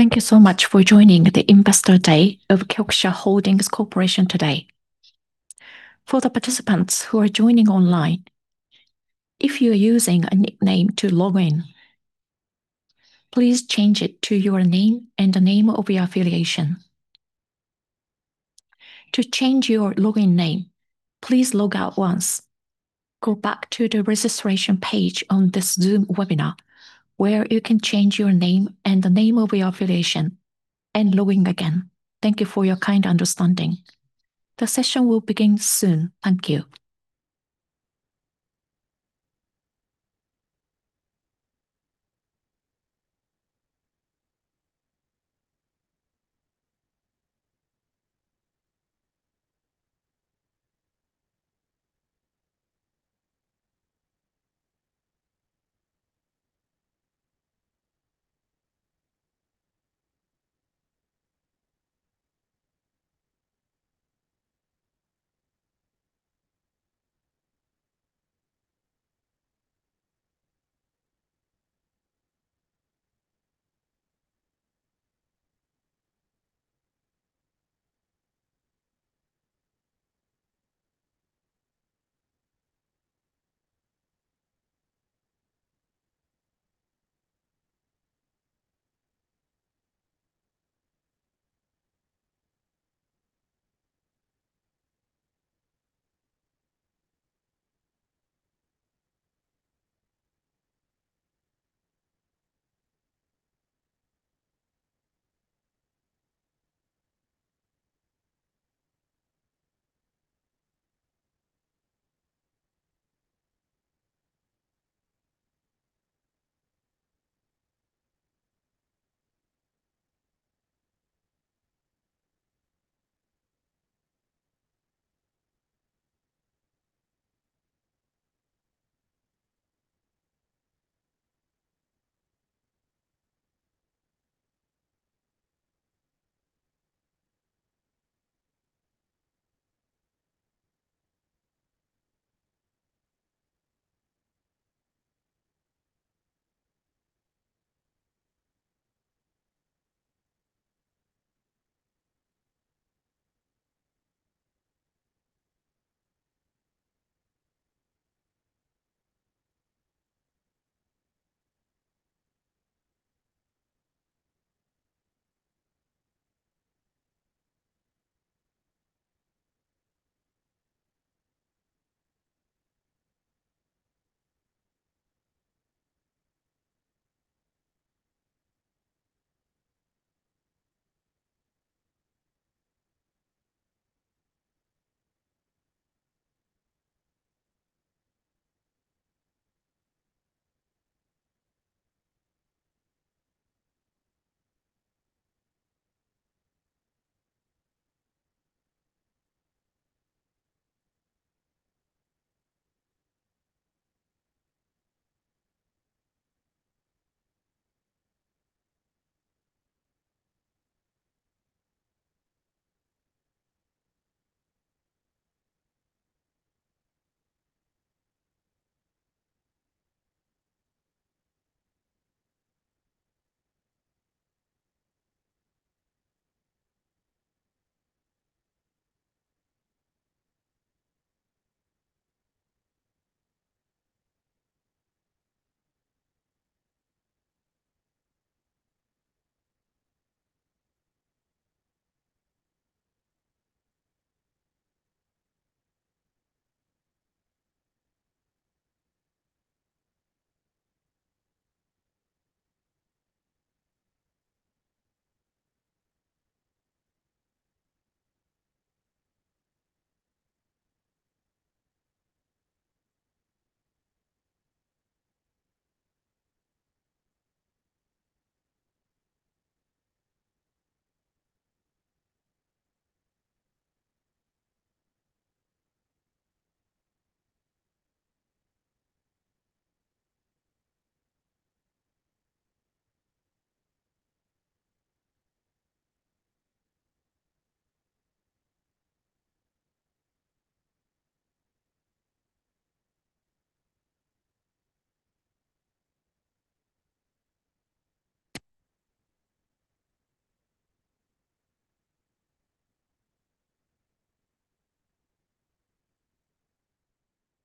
Thank you so much for joining the Investor Day of KIOXIA Holdings Corporation today. For the participants who are joining online, if you are using a nickname to log in, please change it to your name and the name of your affiliation. To change your login name, please log out once, go back to the registration page on this Zoom webinar, where you can change your name and the name of your affiliation, and log in again. Thank you for your kind understanding. The session will begin soon. Thank you.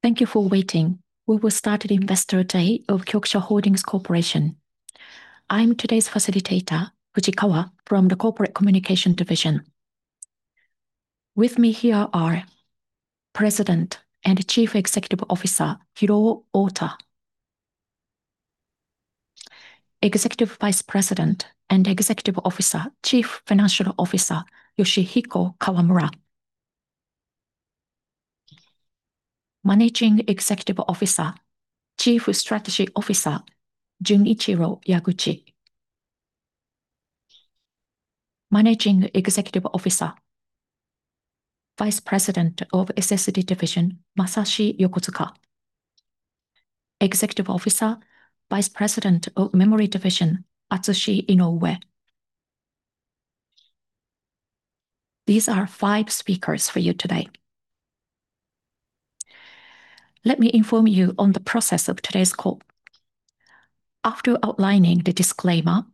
Thank you for waiting. We will start the Investor Day of KIOXIA Holdings Corporation. I'm today's facilitator, Fujikawa, from the Corporate Communication Division. With me here are President and Chief Executive Officer, Hiroo Ota; Executive Vice President and Executive Officer, Chief Financial Officer, Yoshihiko Kawamura; Managing Executive Officer, Chief Strategy Officer, Junichiro Yaguchi; Managing Executive Officer, Vice President of SSD Division, Masashi Yokotsuka; Executive Officer, Vice President of Memory Division, Atsushi Inoue. These are five speakers for you today. Let me inform you on the process of today's call. After outlining the disclaimer,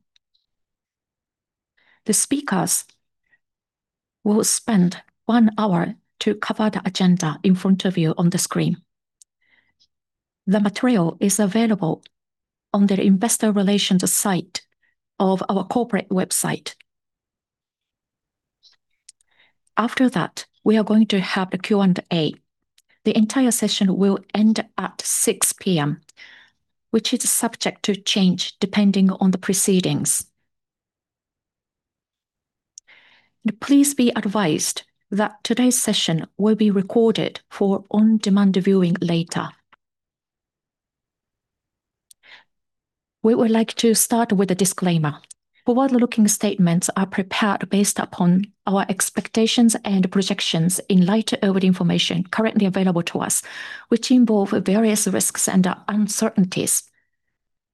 the speakers will spend one hour to cover the agenda in front of you on the screen. The material is available on the Investor Relations site of our corporate website. After that, we are going to have a Q&A. The entire session will end at 6:00 P.M., which is subject to change depending on the proceedings. Please be advised that today's session will be recorded for on-demand viewing later. We would like to start with a disclaimer. Forward-looking statements are prepared based upon our expectations and projections in light of the information currently available to us, which involve various risks and uncertainties.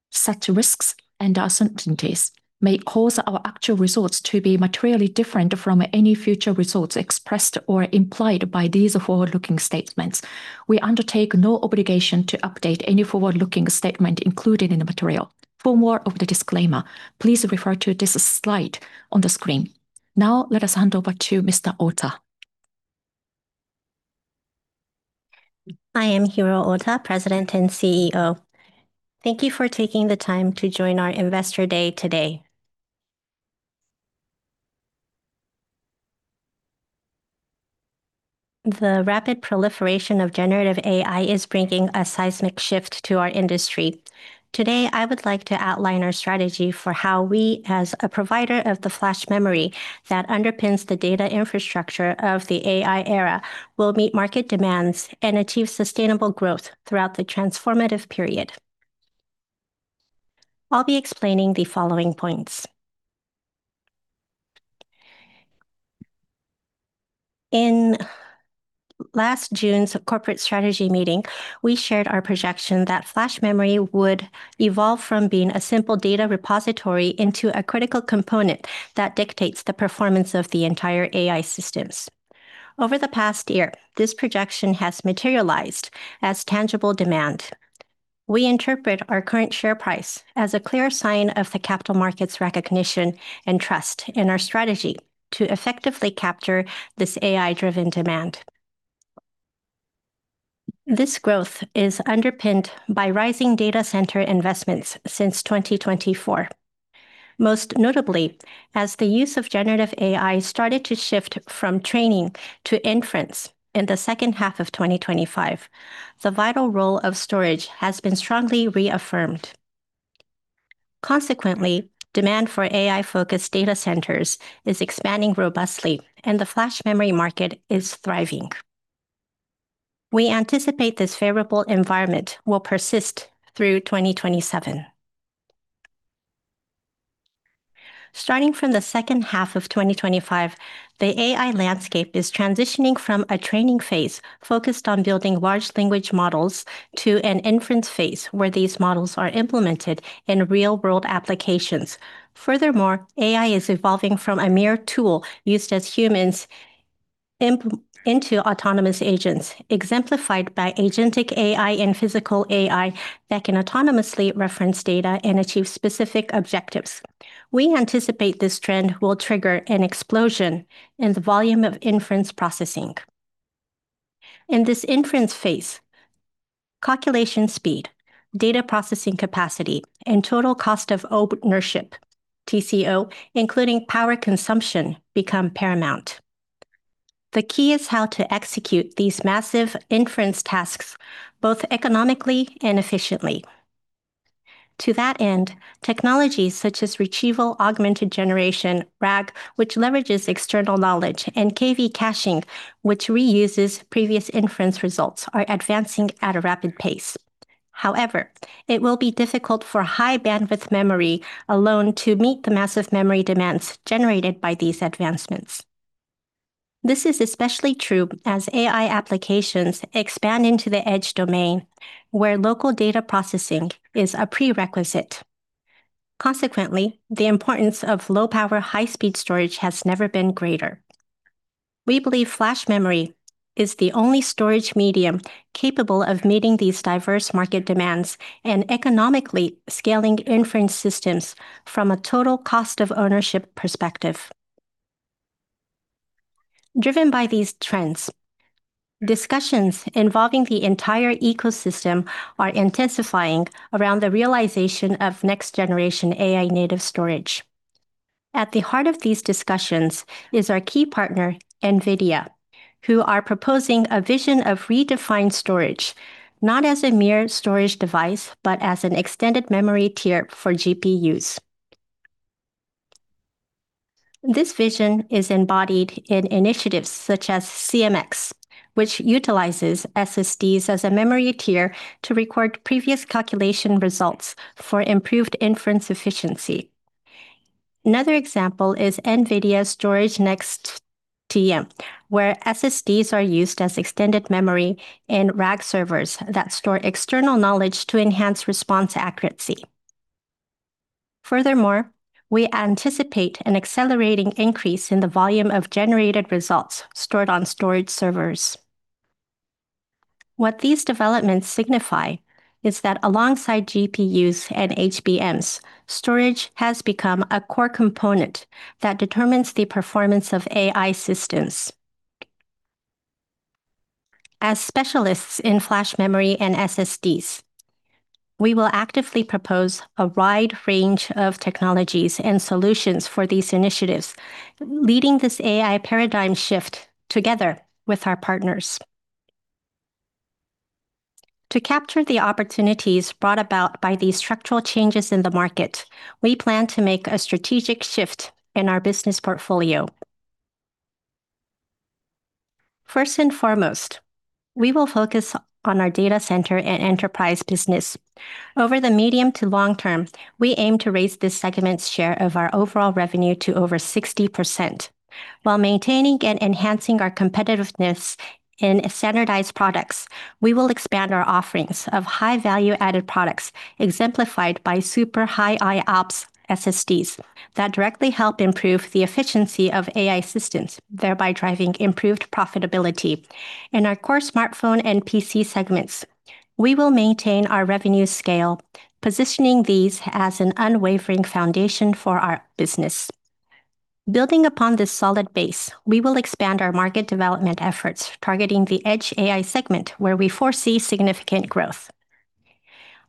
Such risks and uncertainties may cause our actual results to be materially different from any future results expressed or implied by these forward-looking statements. We undertake no obligation to update any forward-looking statement included in the material. For more of the disclaimer, please refer to this slide on the screen. Now let us hand over to Mr. Ota. I am Hiroo Ota, President and CEO. Thank you for taking the time to join our Investor Day today. The rapid proliferation of generative AI is bringing a seismic shift to our industry. Today, I would like to outline our strategy for how we, as a provider of the flash memory that underpins the data infrastructure of the AI era, will meet market demands and achieve sustainable growth throughout the transformative period. I'll be explaining the following points. In last June's corporate strategy meeting, we shared our projection that flash memory would evolve from being a simple data repository into a critical component that dictates the performance of the entire AI systems. Over the past year, this projection has materialized as tangible demand. We interpret our current share price as a clear sign of the capital market's recognition and trust in our strategy to effectively capture this AI-driven demand. This growth is underpinned by rising data center investments since 2024. Most notably, as the use of generative AI started to shift from training to inference in the second half of 2025, the vital role of storage has been strongly reaffirmed. Consequently, demand for AI-focused data centers is expanding robustly, and the flash memory market is thriving. We anticipate this favorable environment will persist through 2027. Starting from the second half of 2025, the AI landscape is transitioning from a training phase focused on building large language models to an inference phase where these models are implemented in real-world applications. Furthermore, AI is evolving from a mere tool used as humans into autonomous agents, exemplified by agentic AI and physical AI that can autonomously reference data and achieve specific objectives. We anticipate this trend will trigger an explosion in the volume of inference processing. In this inference phase, calculation speed, data processing capacity, and total cost of ownership, TCO, including power consumption, become paramount. The key is how to execute these massive inference tasks both economically and efficiently. To that end, technologies such as retrieval-augmented generation, RAG, which leverages external knowledge, and KV caching, which reuses previous inference results, are advancing at a rapid pace. However, it will be difficult for high-bandwidth memory alone to meet the massive memory demands generated by these advancements. This is especially true as AI applications expand into the edge domain, where local data processing is a prerequisite. Consequently, the importance of low-power, high-speed storage has never been greater. We believe flash memory is the only storage medium capable of meeting these diverse market demands and economically scaling inference systems from a total cost of ownership perspective. Driven by these trends, discussions involving the entire ecosystem are intensifying around the realization of next-generation AI-native storage. At the heart of these discussions is our key partner, NVIDIA, who are proposing a vision of redefined storage, not as a mere storage device, but as an extended memory tier for GPUs. This vision is embodied in initiatives such as CMS, which utilizes SSDs as a memory tier to record previous calculation results for improved inference efficiency. Another example is NVIDIA's StorageNext, where SSDs are used as extended memory in RAG servers that store external knowledge to enhance response accuracy. Furthermore, we anticipate an accelerating increase in the volume of generated results stored on storage servers. What these developments signify is that alongside GPUs and HBMs, storage has become a core component that determines the performance of AI systems. As specialists in flash memory and SSDs, we will actively propose a wide range of technologies and solutions for these initiatives, leading this AI paradigm shift together with our partners. To capture the opportunities brought about by these structural changes in the market, we plan to make a strategic shift in our business portfolio. First and foremost, we will focus on our data center and enterprise business. Over the medium to long term, we aim to raise this segment's share of our overall revenue to over 60%. While maintaining and enhancing our competitiveness in standardized products, we will expand our offerings of high value-added products, exemplified by super high IOPS SSDs that directly help improve the efficiency of AI systems, thereby driving improved profitability. In our core smartphone and PC segments, we will maintain our revenue scale, positioning these as an unwavering foundation for our business. Building upon this solid base, we will expand our market development efforts targeting the edge AI segment where we foresee significant growth.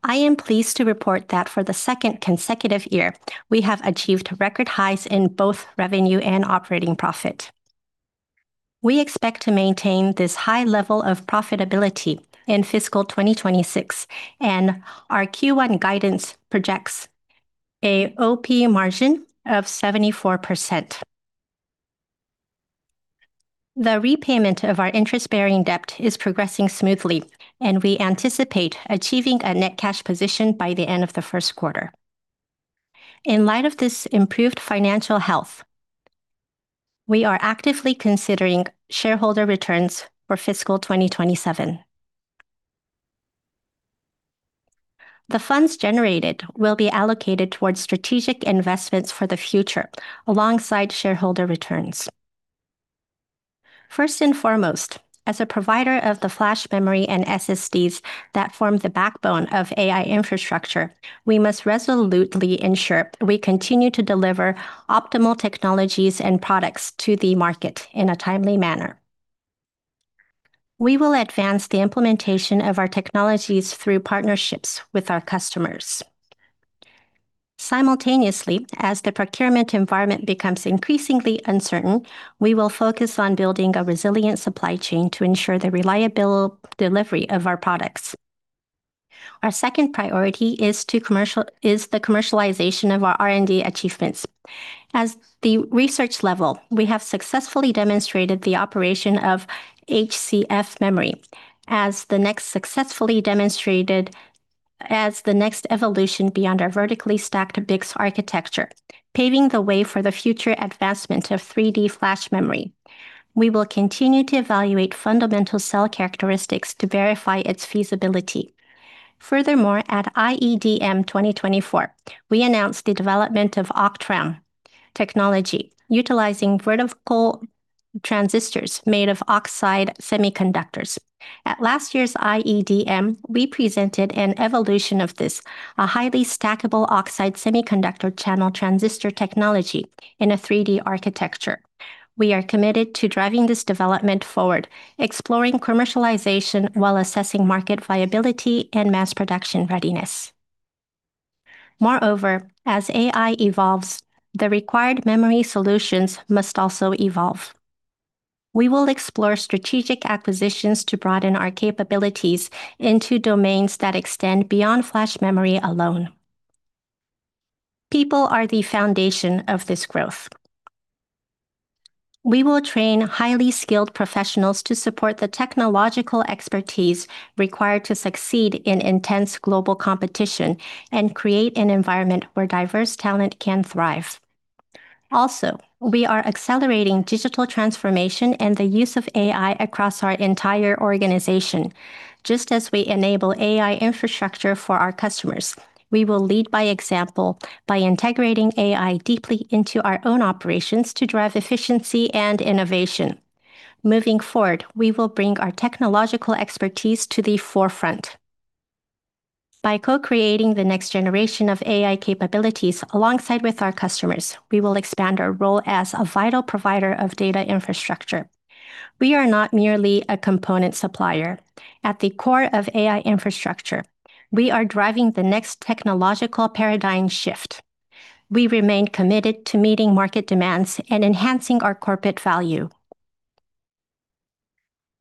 I am pleased to report that for the second consecutive year, we have achieved record highs in both revenue and operating profit. We expect to maintain this high level of profitability in fiscal 2026, and our Q1 guidance projects an OP margin of 74%. The repayment of our interest-bearing debt is progressing smoothly, and we anticipate achieving a net cash position by the end of the first quarter. In light of this improved financial health, we are actively considering shareholder returns for fiscal 2027. The funds generated will be allocated towards strategic investments for the future alongside shareholder returns. First and foremost, as a provider of the flash memory and SSDs that form the backbone of AI infrastructure, we must resolutely ensure we continue to deliver optimal technologies and products to the market in a timely manner. We will advance the implementation of our technologies through partnerships with our customers. Simultaneously, as the procurement environment becomes increasingly uncertain, we will focus on building a resilient supply chain to ensure the reliable delivery of our products. Our second priority is the commercialization of our R&D achievements. At the research level, we have successfully demonstrated the operation of HCF memory as the next evolution beyond our vertically stacked BiCS architecture, paving the way for the future advancement of 3D flash memory. We will continue to evaluate fundamental cell characteristics to verify its feasibility. Furthermore, at IEDM 2024, we announced the development of OCTRAM technology utilizing vertical transistors made of oxide semiconductors. At last year's IEDM, we presented an evolution of this, a highly stackable oxide semiconductor channel transistor technology in a 3D architecture. We are committed to driving this development forward, exploring commercialization while assessing market viability and mass production readiness. As AI evolves, the required memory solutions must also evolve. We will explore strategic acquisitions to broaden our capabilities into domains that extend beyond flash memory alone. People are the foundation of this growth. We will train highly skilled professionals to support the technological expertise required to succeed in intense global competition and create an environment where diverse talent can thrive. We are accelerating digital transformation and the use of AI across our entire organization. Just as we enable AI infrastructure for our customers, we will lead by example by integrating AI deeply into our own operations to drive efficiency and innovation. Moving forward, we will bring our technological expertise to the forefront. By co-creating the next generation of AI capabilities alongside with our customers, we will expand our role as a vital provider of data infrastructure. We are not merely a component supplier. At the core of AI infrastructure, we are driving the next technological paradigm shift. We remain committed to meeting market demands and enhancing our corporate value.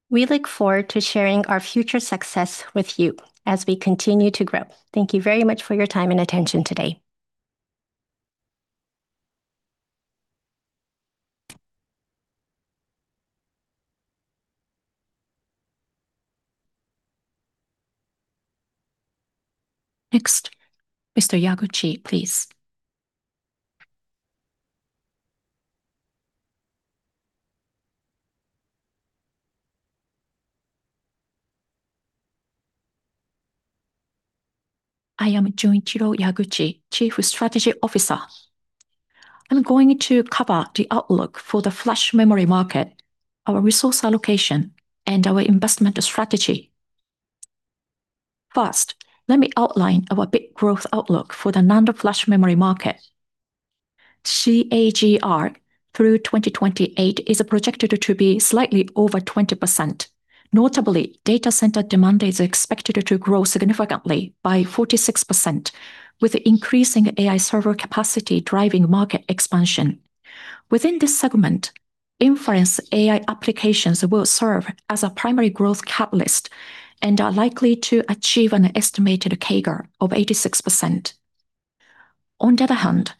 We look forward to sharing our future success with you as we continue to grow. Thank you very much for your time and attention today. Next, Mr. Yaguchi, please. I am Junichiro Yaguchi, Chief Strategy Officer. I'm going to cover the outlook for the flash memory market, our resource allocation, and our investment strategy. First, let me outline our bit growth outlook for the NAND flash memory market. CAGR through 2028 is projected to be slightly over 20%. Notably, data center demand is expected to grow significantly by 46%, with increasing AI server capacity driving market expansion. Within this segment, inference AI applications will serve as a primary growth catalyst and are likely to achieve an estimated CAGR of 86%. On the other hand,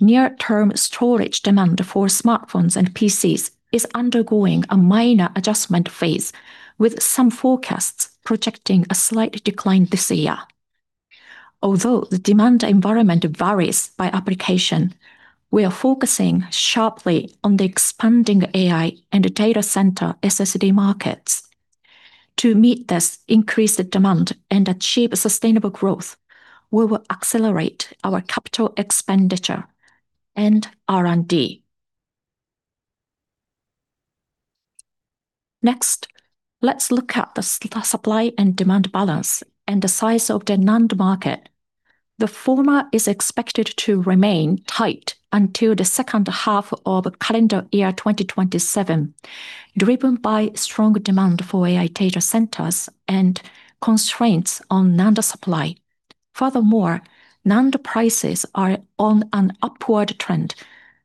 near-term storage demand for smartphones and PCs is undergoing a minor adjustment phase, with some forecasts projecting a slight decline this year. Although the demand environment varies by application, we are focusing sharply on the expanding AI and data center SSD markets. To meet this increased demand and achieve sustainable growth, we will accelerate our capital expenditure and R&D. Next, let's look at the supply and demand balance and the size of the NAND market. The former is expected to remain tight until the second half of calendar year 2027, driven by strong demand for AI data centers and constraints on NAND supply. Furthermore, NAND prices are on an upward trend.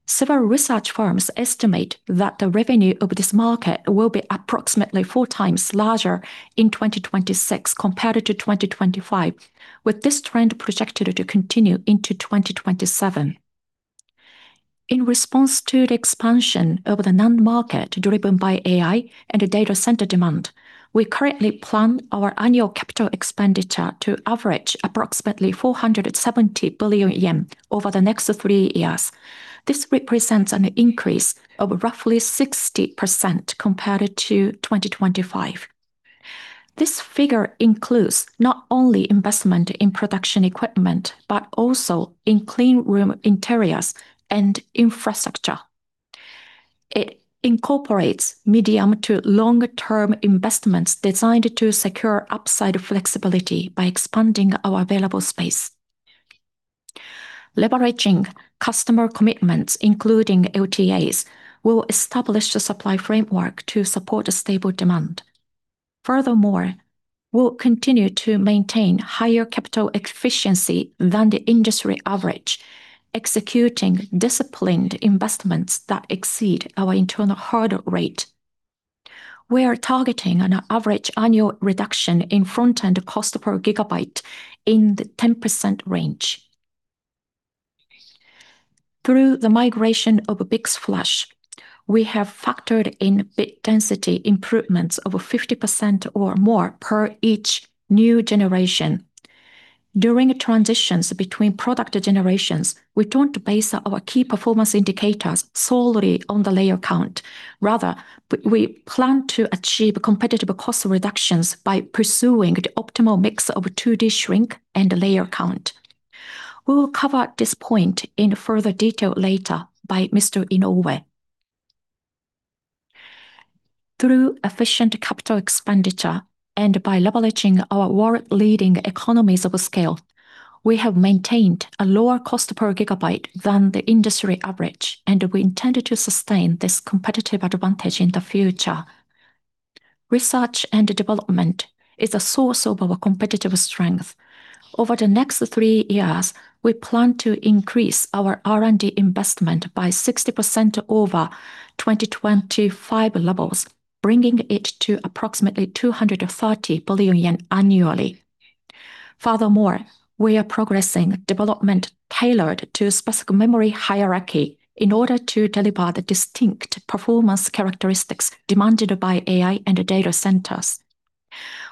Several research firms estimate that the revenue of this market will be approximately four times larger in 2026 compared to 2025, with this trend projected to continue into 2027. In response to the expansion of the NAND market driven by AI and data center demand, we currently plan our annual capital expenditure to average approximately 470 billion yen over the next three years. This represents an increase of roughly 60% compared to 2025. This figure includes not only investment in production equipment, but also in clean room interiors and infrastructure. It incorporates medium to long-term investments designed to secure upside flexibility by expanding our available space. Leveraging customer commitments, including LTAs, will establish a supply framework to support a stable demand. Furthermore, we'll continue to maintain higher capital efficiency than the industry average, executing disciplined investments that exceed our internal hurdle rate. We are targeting an average annual reduction in front-end cost per gigabyte in the 10% range. Through the migration of BiCS FLASH, we have factored in bit density improvements of 50% or more per each new generation. During transitions between product generations, we don't base our key performance indicators solely on the layer count. Rather, we plan to achieve competitive cost reductions by pursuing the optimal mix of 2D shrink and layer count. We will cover this point in further detail later by Mr. Inoue. Through efficient capital expenditure and by leveraging our world-leading economies of scale, we have maintained a lower cost per gigabyte than the industry average, and we intend to sustain this competitive advantage in the future. Research and development is a source of our competitive strength. Over the next three years, we plan to increase our R&D investment by 60% over 2025 levels, bringing it to approximately 230 billion yen annually. Furthermore, we are progressing development tailored to specific memory hierarchy in order to deliver the distinct performance characteristics demanded by AI and data centers.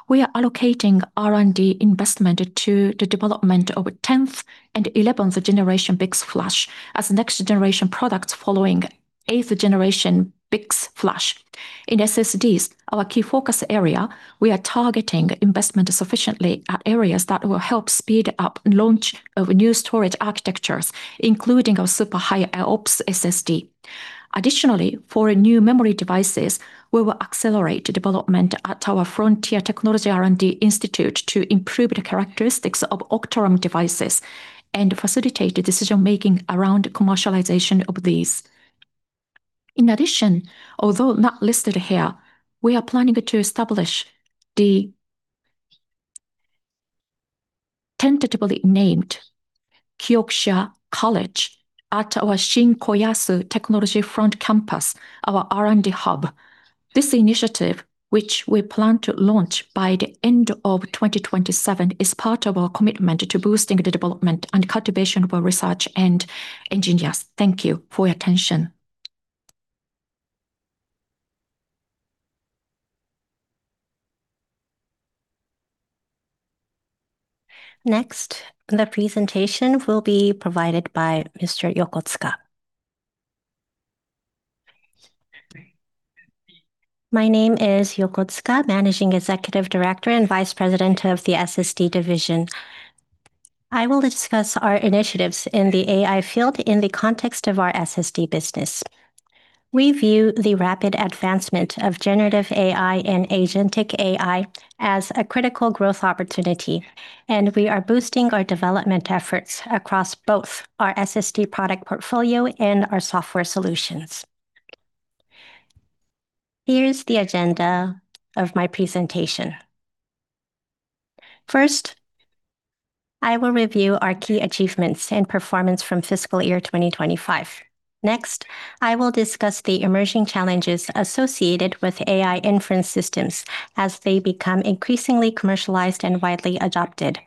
We are allocating R&D investment to the development of 10th and 11th generation BiCS FLASH as next generation products following eighth generation BiCS FLASH. In SSDs, our key focus area, we are targeting investment sufficiently at areas that will help speed up launch of new storage architectures, including our super high IOPS SSD. Additionally, for new memory devices, we will accelerate development at our Frontier Technology R&D Institute to improve the characteristics of OCTRAM devices and facilitate the decision-making around commercialization of these. Although not listed here, we are planning to establish the tentatively named KIOXIA College at our Shin-Koyasu Technology Front campus, our R&D hub. This initiative, which we plan to launch by the end of 2027, is part of our commitment to boosting the development and cultivation of our research and engineers. Thank you for your attention. Next, the presentation will be provided by Mr. Yokotsuka. My name is Yokotsuka, Managing Executive Director and Vice President of the SSD Division. I will discuss our initiatives in the AI field in the context of our SSD business. We view the rapid advancement of generative AI and agentic AI as a critical growth opportunity, and we are boosting our development efforts across both our SSD product portfolio and our software solutions. Here's the agenda of my presentation. First, I will review our key achievements and performance from fiscal year 2025. Next, I will discuss the emerging challenges associated with AI inference systems as they become increasingly commercialized and widely adopted.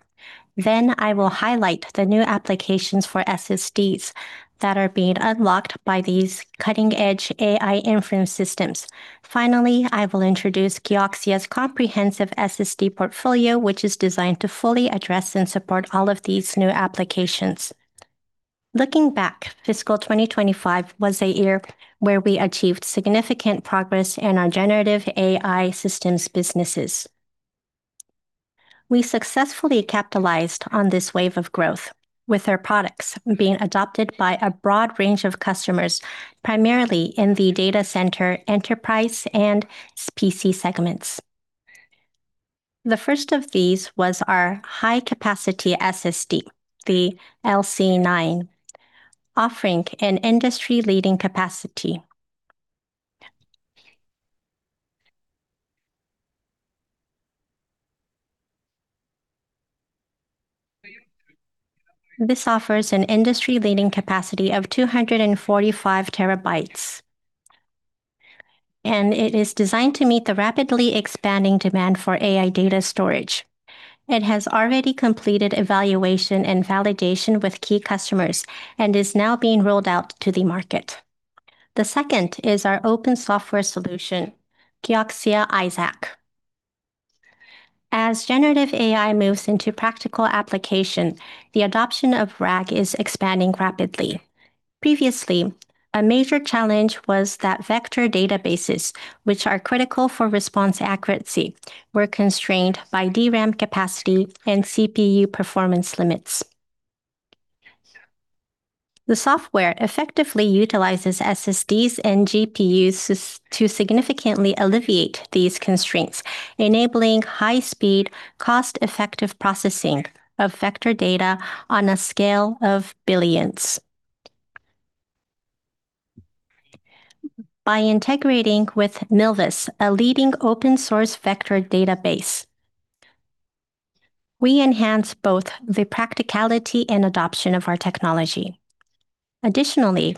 I will highlight the new applications for SSDs that are being unlocked by these cutting-edge AI inference systems. Finally, I will introduce KIOXIA's comprehensive SSD portfolio, which is designed to fully address and support all of these new applications. Looking back, fiscal 2025 was a year where we achieved significant progress in our generative AI systems businesses. We successfully capitalized on this wave of growth, with our products being adopted by a broad range of customers, primarily in the data center, enterprise, and PC segments. The first of these was our high-capacity SSD, the LC9. Offering an industry-leading capacity of 245 TB, and it is designed to meet the rapidly expanding demand for AI data storage. It has already completed evaluation and validation with key customers and is now being rolled out to the market. The second is our open software solution, KIOXIA AiSAQ. As generative AI moves into practical application, the adoption of RAG is expanding rapidly. Previously, a major challenge was that vector databases, which are critical for response accuracy, were constrained by DRAM capacity and CPU performance limits. The software effectively utilizes SSDs and GPUs to significantly alleviate these constraints, enabling high-speed, cost-effective processing of vector data on a scale of billions. By integrating with Milvus, a leading open-source vector database, we enhance both the practicality and adoption of our technology. Additionally,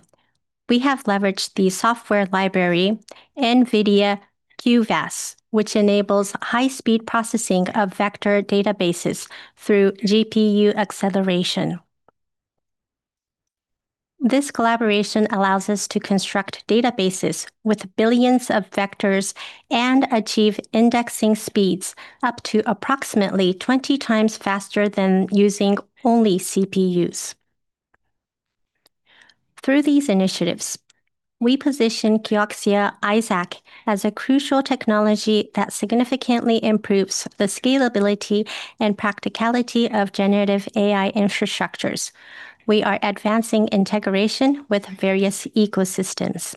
we have leveraged the software library NVIDIA cuVS, which enables high-speed processing of vector databases through GPU acceleration. This collaboration allows us to construct databases with billions of vectors and achieve indexing speeds up to approximately 20 times faster than using only CPUs. Through these initiatives, we position KIOXIA AiSAQ as a crucial technology that significantly improves the scalability and practicality of generative AI infrastructures. We are advancing integration with various ecosystems.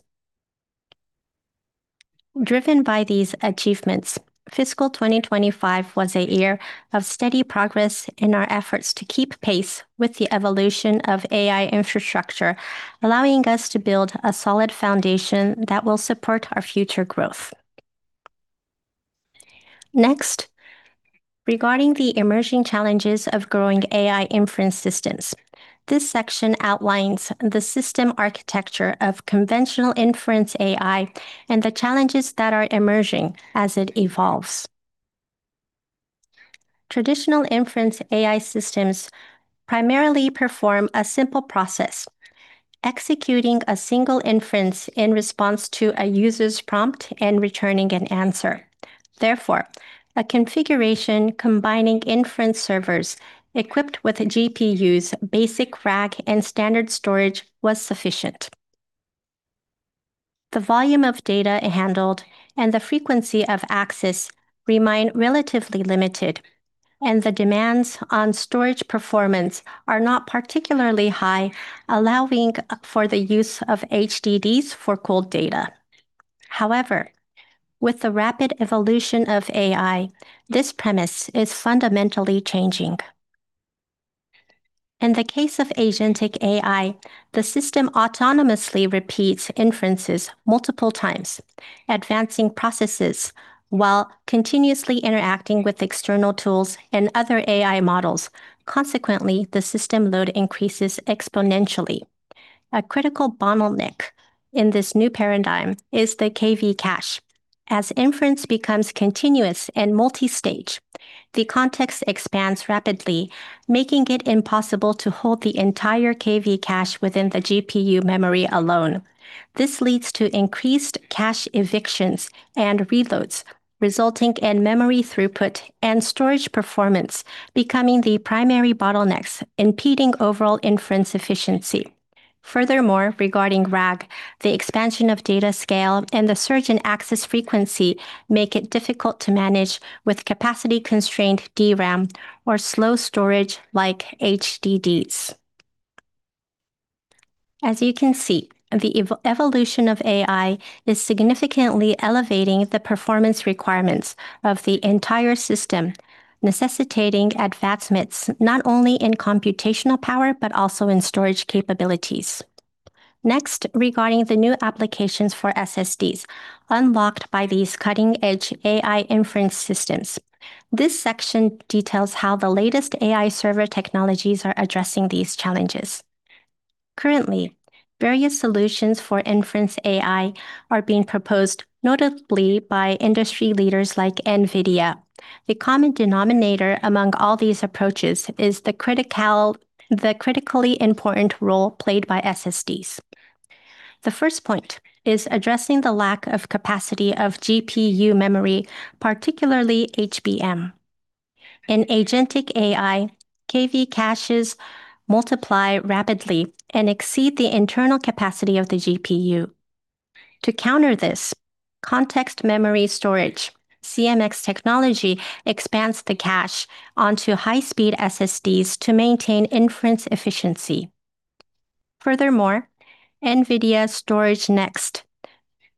Driven by these achievements, fiscal 2025 was a year of steady progress in our efforts to keep pace with the evolution of AI infrastructure, allowing us to build a solid foundation that will support our future growth. Next, regarding the emerging challenges of growing AI inference systems. This section outlines the system architecture of conventional inference AI and the challenges that are emerging as it evolves. Traditional inference AI systems primarily perform a simple process, executing a single inference in response to a user's prompt and returning an answer. Therefore, a configuration combining inference servers equipped with GPUs, basic RAG, and standard storage was sufficient. The volume of data handled and the frequency of access remain relatively limited, and the demands on storage performance are not particularly high, allowing for the use of HDDs for cold data. However, with the rapid evolution of AI, this premise is fundamentally changing. In the case of agentic AI, the system autonomously repeats inferences multiple times, advancing processes while continuously interacting with external tools and other AI models. Consequently, the system load increases exponentially. A critical bottleneck in this new paradigm is the KV cache. As inference becomes continuous and multi-stage, the context expands rapidly, making it impossible to hold the entire KV cache within the GPU memory alone. This leads to increased cache evictions and reloads, resulting in memory throughput and storage performance becoming the primary bottlenecks, impeding overall inference efficiency. Furthermore, regarding RAG, the expansion of data scale and the surge in access frequency make it difficult to manage with capacity-constrained DRAM or slow storage like HDDs. As you can see, the evolution of AI is significantly elevating the performance requirements of the entire system, necessitating advancements not only in computational power, but also in storage capabilities. Next, regarding the new applications for SSDs unlocked by these cutting-edge AI inference systems. This section details how the latest AI server technologies are addressing these challenges. Currently, various solutions for inference AI are being proposed, notably by industry leaders like NVIDIA. The common denominator among all these approaches is the critically important role played by SSDs. The first point is addressing the lack of capacity of GPU memory, particularly HBM. In agentic AI, KV caches multiply rapidly and exceed the internal capacity of the GPU. To counter this, Context Memory Storage, CMS technology expands the cache onto high-speed SSDs to maintain inference efficiency. Furthermore, NVIDIA StorageNext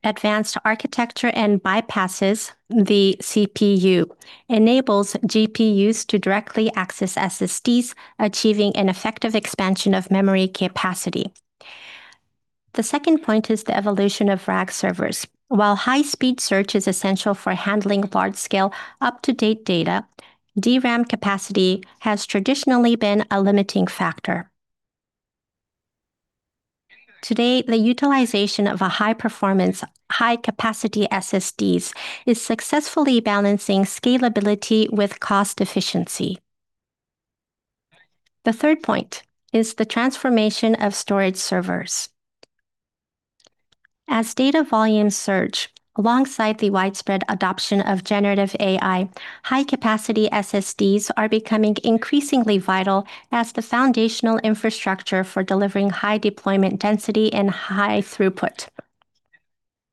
advanced architecture and bypasses the CPU, enables GPUs to directly access SSDs, achieving an effective expansion of memory capacity. The second point is the evolution of RAG servers. While high-speed search is essential for handling large-scale up-to-date data, DRAM capacity has traditionally been a limiting factor. Today, the utilization of high-performance, high-capacity SSDs is successfully balancing scalability with cost efficiency. The third point is the transformation of storage servers. As data volumes surge alongside the widespread adoption of generative AI, high-capacity SSDs are becoming increasingly vital as the foundational infrastructure for delivering high deployment density and high throughput.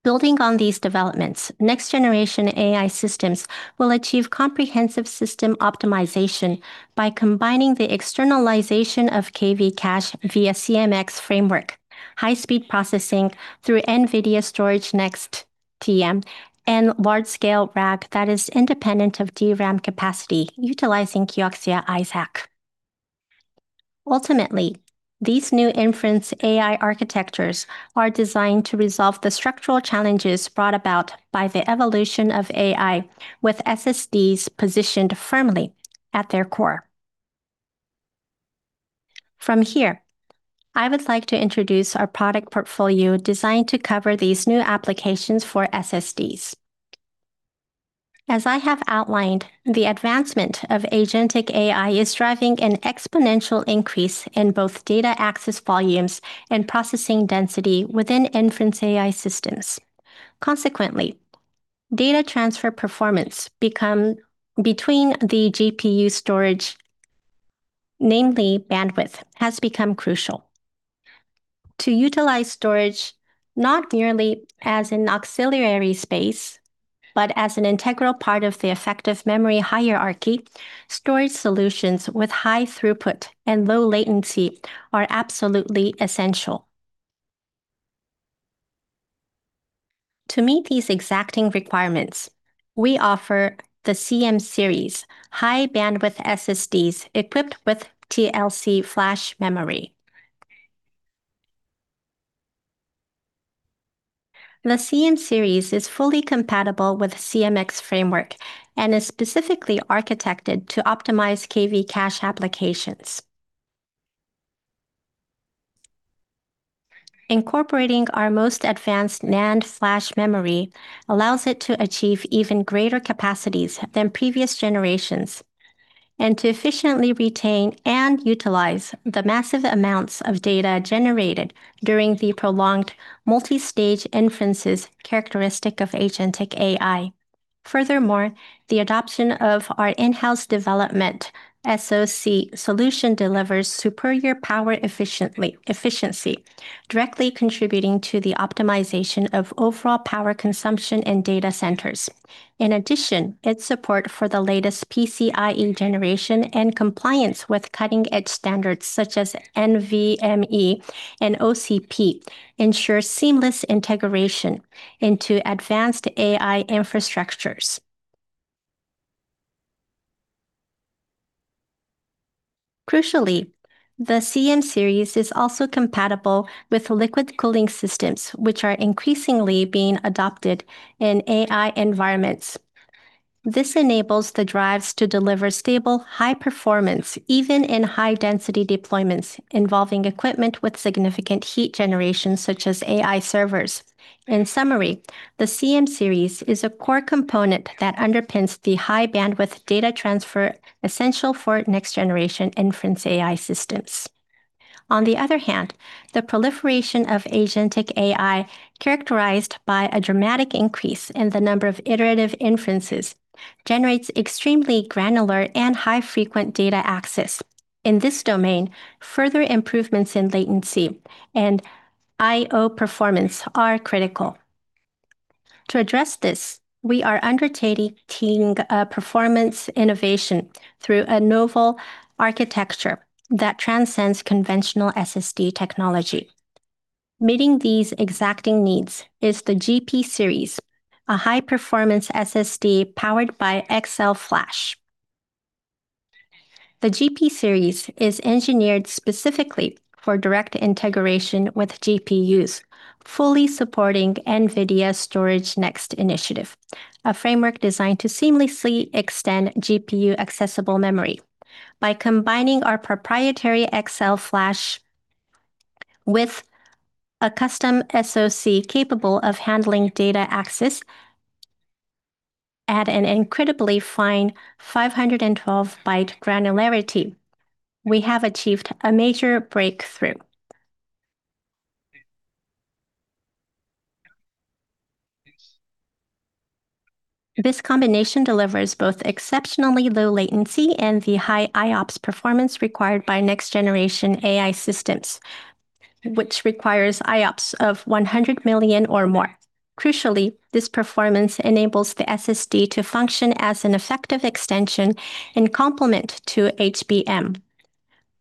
Building on these developments, next-generation AI systems will achieve comprehensive system optimization by combining the externalization of KV cache via CMS framework, high-speed processing through StorageNext, and large-scale RAG that is independent of DRAM capacity utilizing KIOXIA AiSAQ. Ultimately, these new inference AI architectures are designed to resolve the structural challenges brought about by the evolution of AI with SSDs positioned firmly at their core. From here, I would like to introduce our product portfolio designed to cover these new applications for SSDs. As I have outlined, the advancement of agentic AI is driving an exponential increase in both data access volumes and processing density within inference AI systems. Consequently, data transfer performance between the GPU storage, namely bandwidth, has become crucial. To utilize storage not merely as an auxiliary space, but as an integral part of the effective memory hierarchy, storage solutions with high throughput and low latency are absolutely essential. To meet these exacting requirements, we offer the CM Series high-bandwidth SSDs equipped with TLC flash memory. The CM Series is fully compatible with CMS framework and is specifically architected to optimize KV cache applications. Incorporating our most advanced NAND flash memory allows it to achieve even greater capacities than previous generations, and to efficiently retain and utilize the massive amounts of data generated during the prolonged multi-stage inferences characteristic of agentic AI. Furthermore, the adoption of our in-house development SoC solution delivers superior power efficiency, directly contributing to the optimization of overall power consumption in data centers. In addition, its support for the latest PCIe generation and compliance with cutting-edge standards such as NVMe and OCP ensure seamless integration into advanced AI infrastructures. Crucially, the CM Series is also compatible with liquid cooling systems, which are increasingly being adopted in AI environments. This enables the drives to deliver stable, high performance, even in high-density deployments involving equipment with significant heat generation, such as AI servers. In summary, the CM Series is a core component that underpins the high-bandwidth data transfer essential for next-generation inference AI systems. On the other hand, the proliferation of agentic AI, characterized by a dramatic increase in the number of iterative inferences, generates extremely granular and high-frequent data access. In this domain, further improvements in latency and IO performance are critical. To address this, we are undertaking a performance innovation through a novel architecture that transcends conventional SSD technology. Meeting these exacting needs is the GP Series, a high-performance SSD powered by XL-FLASH. The GP Series is engineered specifically for direct integration with GPUs, fully supporting NVIDIA's StorageNext initiative, a framework designed to seamlessly extend GPU-accessible memory. By combining our proprietary XL-FLASH with a custom SoC capable of handling data access at an incredibly fine 512-byte granularity, we have achieved a major breakthrough. This combination delivers both exceptionally low latency and the high IOPS performance required by next-generation AI systems, which requires IOPS of 100 million or more. Crucially, this performance enables the SSD to function as an effective extension and complement to HBM.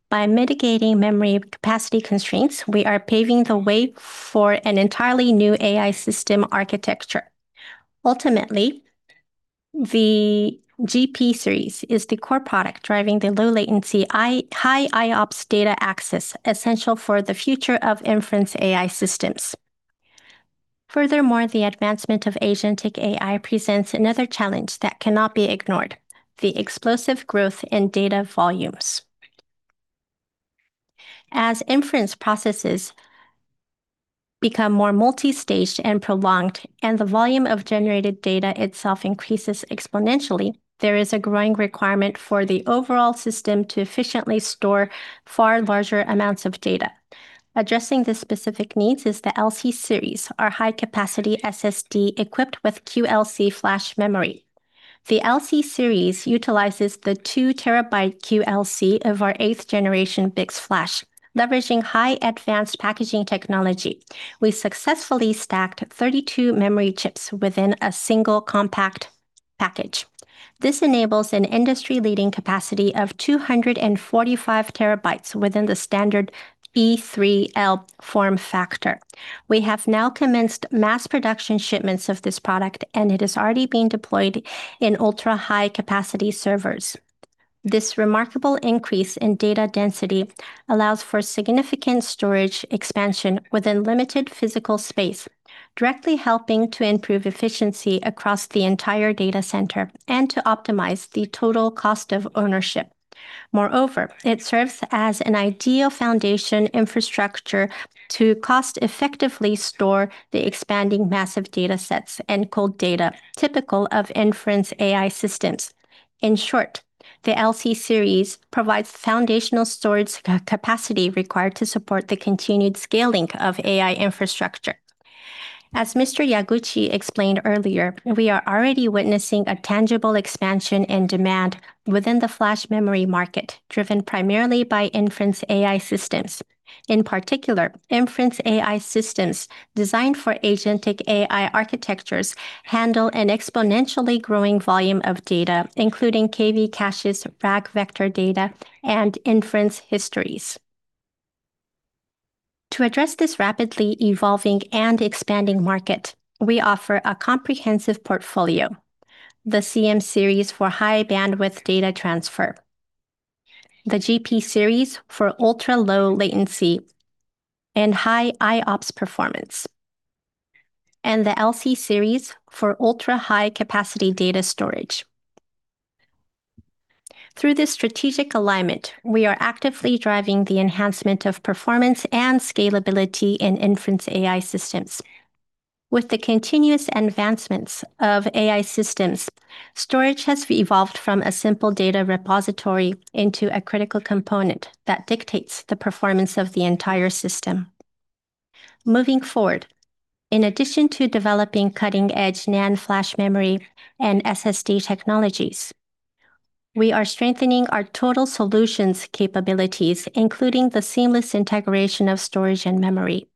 By mitigating memory capacity constraints, we are paving the way for an entirely new AI system architecture. Ultimately, the GP Series is the core product driving the low latency, high IOPS data access essential for the future of inference AI systems. Furthermore, the advancement of agentic AI presents another challenge that cannot be ignored, the explosive growth in data volumes. As inference processes become more multi-staged and prolonged, and the volume of generated data itself increases exponentially, there is a growing requirement for the overall system to efficiently store far larger amounts of data. Addressing the specific needs is the LC Series, our high-capacity SSD equipped with QLC flash memory. The LC Series utilizes the 2-TB QLC of our eighth-generation BiCS FLASH. Leveraging high advanced packaging technology, we successfully stacked 32 memory chips within a single compact package. This enables an industry-leading capacity of 245 TB within the standard E3.L form factor. We have now commenced mass production shipments of this product, and it is already being deployed in ultra-high capacity servers. This remarkable increase in data density allows for significant storage expansion within limited physical space, directly helping to improve efficiency across the entire data center and to optimize the total cost of ownership. Moreover, it serves as an ideal foundation infrastructure to cost-effectively store the expanding massive data sets and cold data typical of inference AI systems. In short, the LC Series provides the foundational storage capacity required to support the continued scaling of AI infrastructure. As Mr. Yaguchi explained earlier, we are already witnessing a tangible expansion in demand within the flash memory market, driven primarily by inference AI systems. In particular, inference AI systems designed for agentic AI architectures handle an exponentially growing volume of data, including KV caches, RAG vector data, and inference histories. To address this rapidly evolving and expanding market, we offer a comprehensive portfolio. The CM Series for high-bandwidth data transfer, the GP Series for ultra-low latency and high IOPS performance, and the LC Series for ultra-high capacity data storage. Through this strategic alignment, we are actively driving the enhancement of performance and scalability in inference AI systems. With the continuous advancements of AI systems, storage has evolved from a simple data repository into a critical component that dictates the performance of the entire system. Moving forward, in addition to developing cutting-edge NAND flash memory and SSD technologies, we are strengthening our total solutions capabilities, including the seamless integration of storage and memory.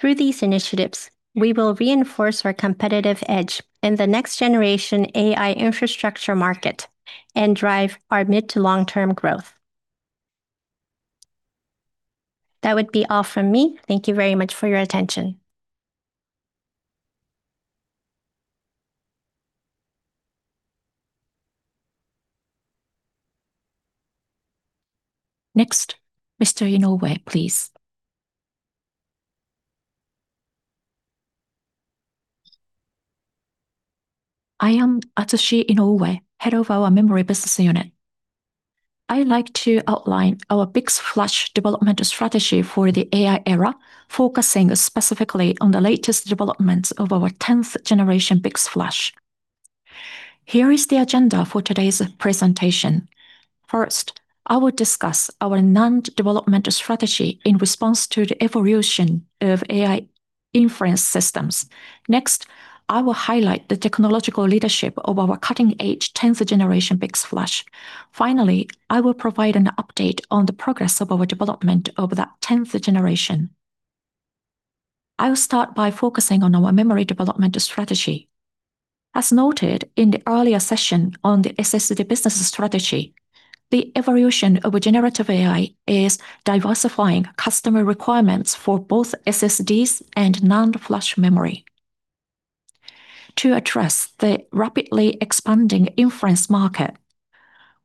Through these initiatives, we will reinforce our competitive edge in the next-generation AI infrastructure market and drive our mid to long-term growth. That would be all from me. Thank you very much for your attention. Next, Mr. Inoue, please. I am Atsushi Inoue, head of our Memory Business Unit. I'd like to outline our BiCS FLASH development strategy for the AI era, focusing specifically on the latest developments of our 10th-generation BiCS FLASH. Here is the agenda for today's presentation. First, I will discuss our NAND development strategy in response to the evolution of AI inference systems. Next, I will highlight the technological leadership of our cutting-edge 10th-generation BiCS FLASH. Finally, I will provide an update on the progress of our development of that 10th generation. I'll start by focusing on our memory development strategy. As noted in the earlier session on the SSD business strategy, the evolution of generative AI is diversifying customer requirements for both SSDs and NAND flash memory. To address the rapidly expanding inference market,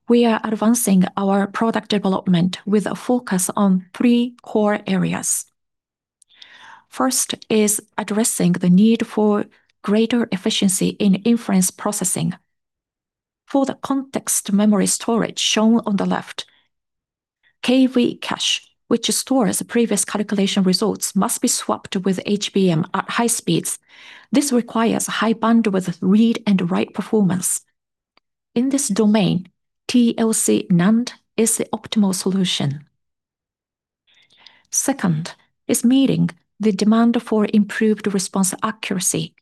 we are advancing our product development with a focus on three core areas. First is addressing the need for greater efficiency in inference processing. For the Context Memory Storage shown on the left, KV cache, which stores the previous calculation results, must be swapped with HBM at high speeds. This requires high bandwidth read and write performance. In this domain, TLC NAND is the optimal solution. Second is meeting the demand for improved response accuracy.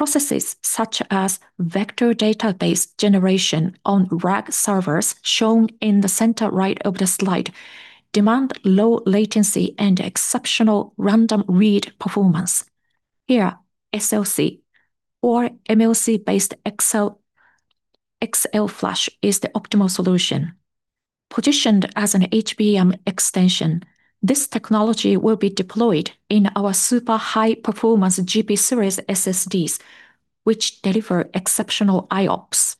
Processes such as vector database generation on RAG servers, shown in the center right of the slide, demand low latency and exceptional random read performance. Here, SLC or MLC-based XL-FLASH is the optimal solution. Positioned as an HBM extension, this technology will be deployed in our super high-performance GP Series SSDs, which deliver exceptional IOPS.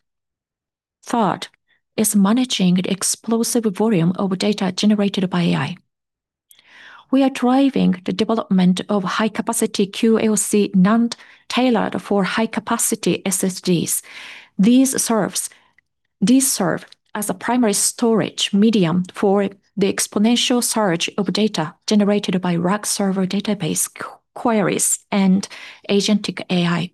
Third is managing the explosive volume of data generated by AI. We are driving the development of high-capacity QLC NAND tailored for high-capacity SSDs. These serve as a primary storage medium for the exponential surge of data generated by RAG server database queries and agentic AI.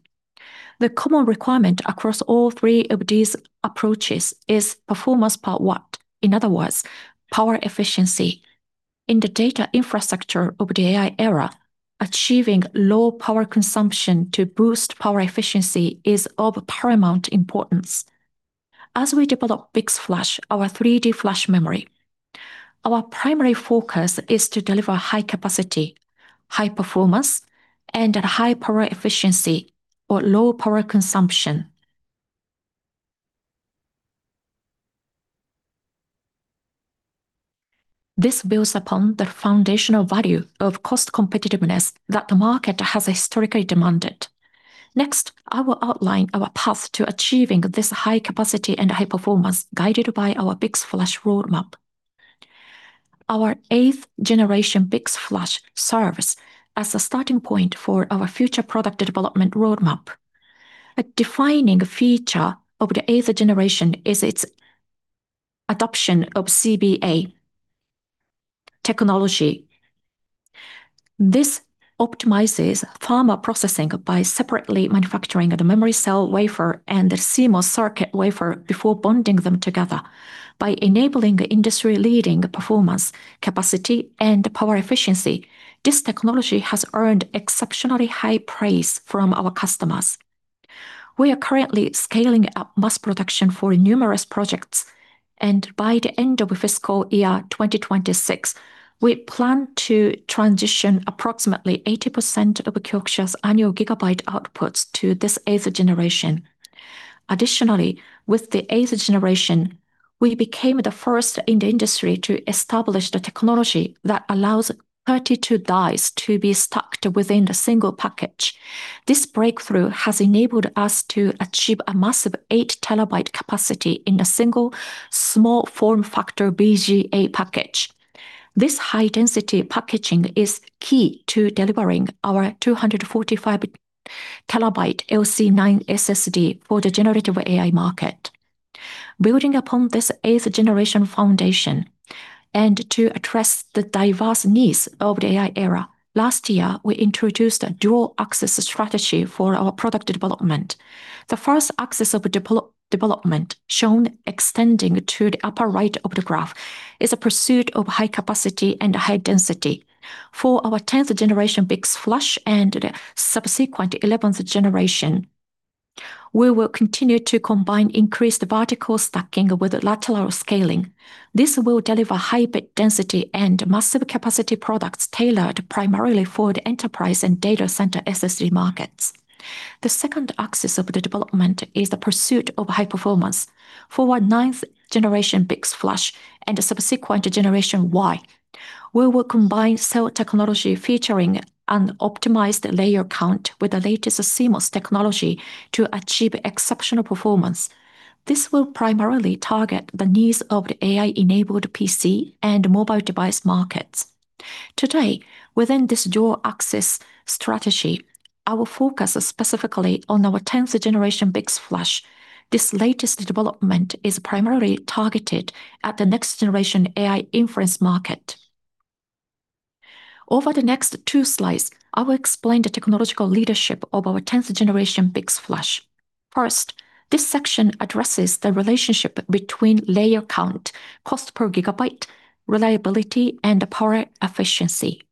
The common requirement across all three of these approaches is performance per watt. In other words, power efficiency. In the data infrastructure of the AI era, achieving low power consumption to boost power efficiency is of paramount importance. As we develop BiCS FLASH, our 3D flash memory, our primary focus is to deliver high capacity, high performance, and high power efficiency or low power consumption. This builds upon the foundational value of cost competitiveness that the market has historically demanded. I will outline our path to achieving this high capacity and high performance guided by our BiCS FLASH roadmap. Our eighth-generation BiCS FLASH serves as a starting point for our future product development roadmap. A defining feature of the eighth generation is its adoption of CBA technology. This optimizes wafer processing by separately manufacturing the memory cell wafer and the CMOS circuit wafer before bonding them together. By enabling industry-leading performance, capacity, and power efficiency, this technology has earned exceptionally high praise from our customers. We are currently scaling up mass production for numerous projects, and by the end of fiscal year 2026, we plan to transition approximately 80% of KIOXIA's annual gigabyte outputs to this eighth generation Additionally, with the eighth generation, we became the first in the industry to establish the technology that allows 32 dies to be stacked within a single package. This breakthrough has enabled us to achieve a massive eight terabyte capacity in a single small form factor BGA package. This high-density packaging is key to delivering our 245-TB LC9 SSD for the generative AI market. Building upon this eighth-generation foundation and to address the diverse needs of the AI era, last year, we introduced a dual-axis strategy for our product development. The first axis of development, shown extending to the upper right of the graph, is a pursuit of high capacity and high density. For our 10th-generation BiCS FLASH and the subsequent 11th generation, we will continue to combine increased vertical stacking with lateral scaling. This will deliver high bit density and massive capacity products tailored primarily for the enterprise and data center SSD markets. The second axis of the development is the pursuit of high performance. For our ninth-generation BiCS FLASH and the subsequent generation Y, we will combine cell technology featuring an optimized layer count with the latest CMOS technology to achieve exceptional performance. This will primarily target the needs of the AI-enabled PC and mobile device markets. Today, within this dual-axis strategy, I will focus specifically on our 10th-generation BiCS FLASH. This latest development is primarily targeted at the next-generation AI inference market. Over the next two slides, I will explain the technological leadership of our 10th-generation BiCS FLASH. First, this section addresses the relationship between layer count, cost per gigabyte, reliability, and power efficiency.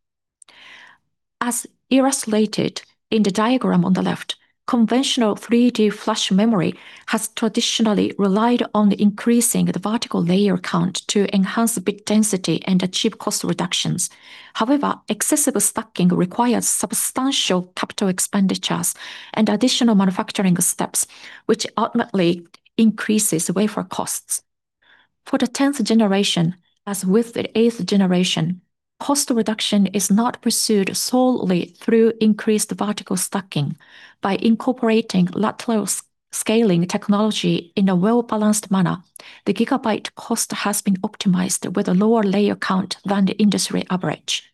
As illustrated in the diagram on the left. Conventional 3D flash memory has traditionally relied on increasing the vertical layer count to enhance the bit density and achieve cost reductions. However, excessive stacking requires substantial capital expenditures and additional manufacturing steps, which ultimately increases wafer costs. For the 10th generation, as with the eighth generation, cost reduction is not pursued solely through increased vertical stacking. By incorporating lateral scaling technology in a well-balanced manner, the gigabyte cost has been optimized with a lower layer count than the industry average.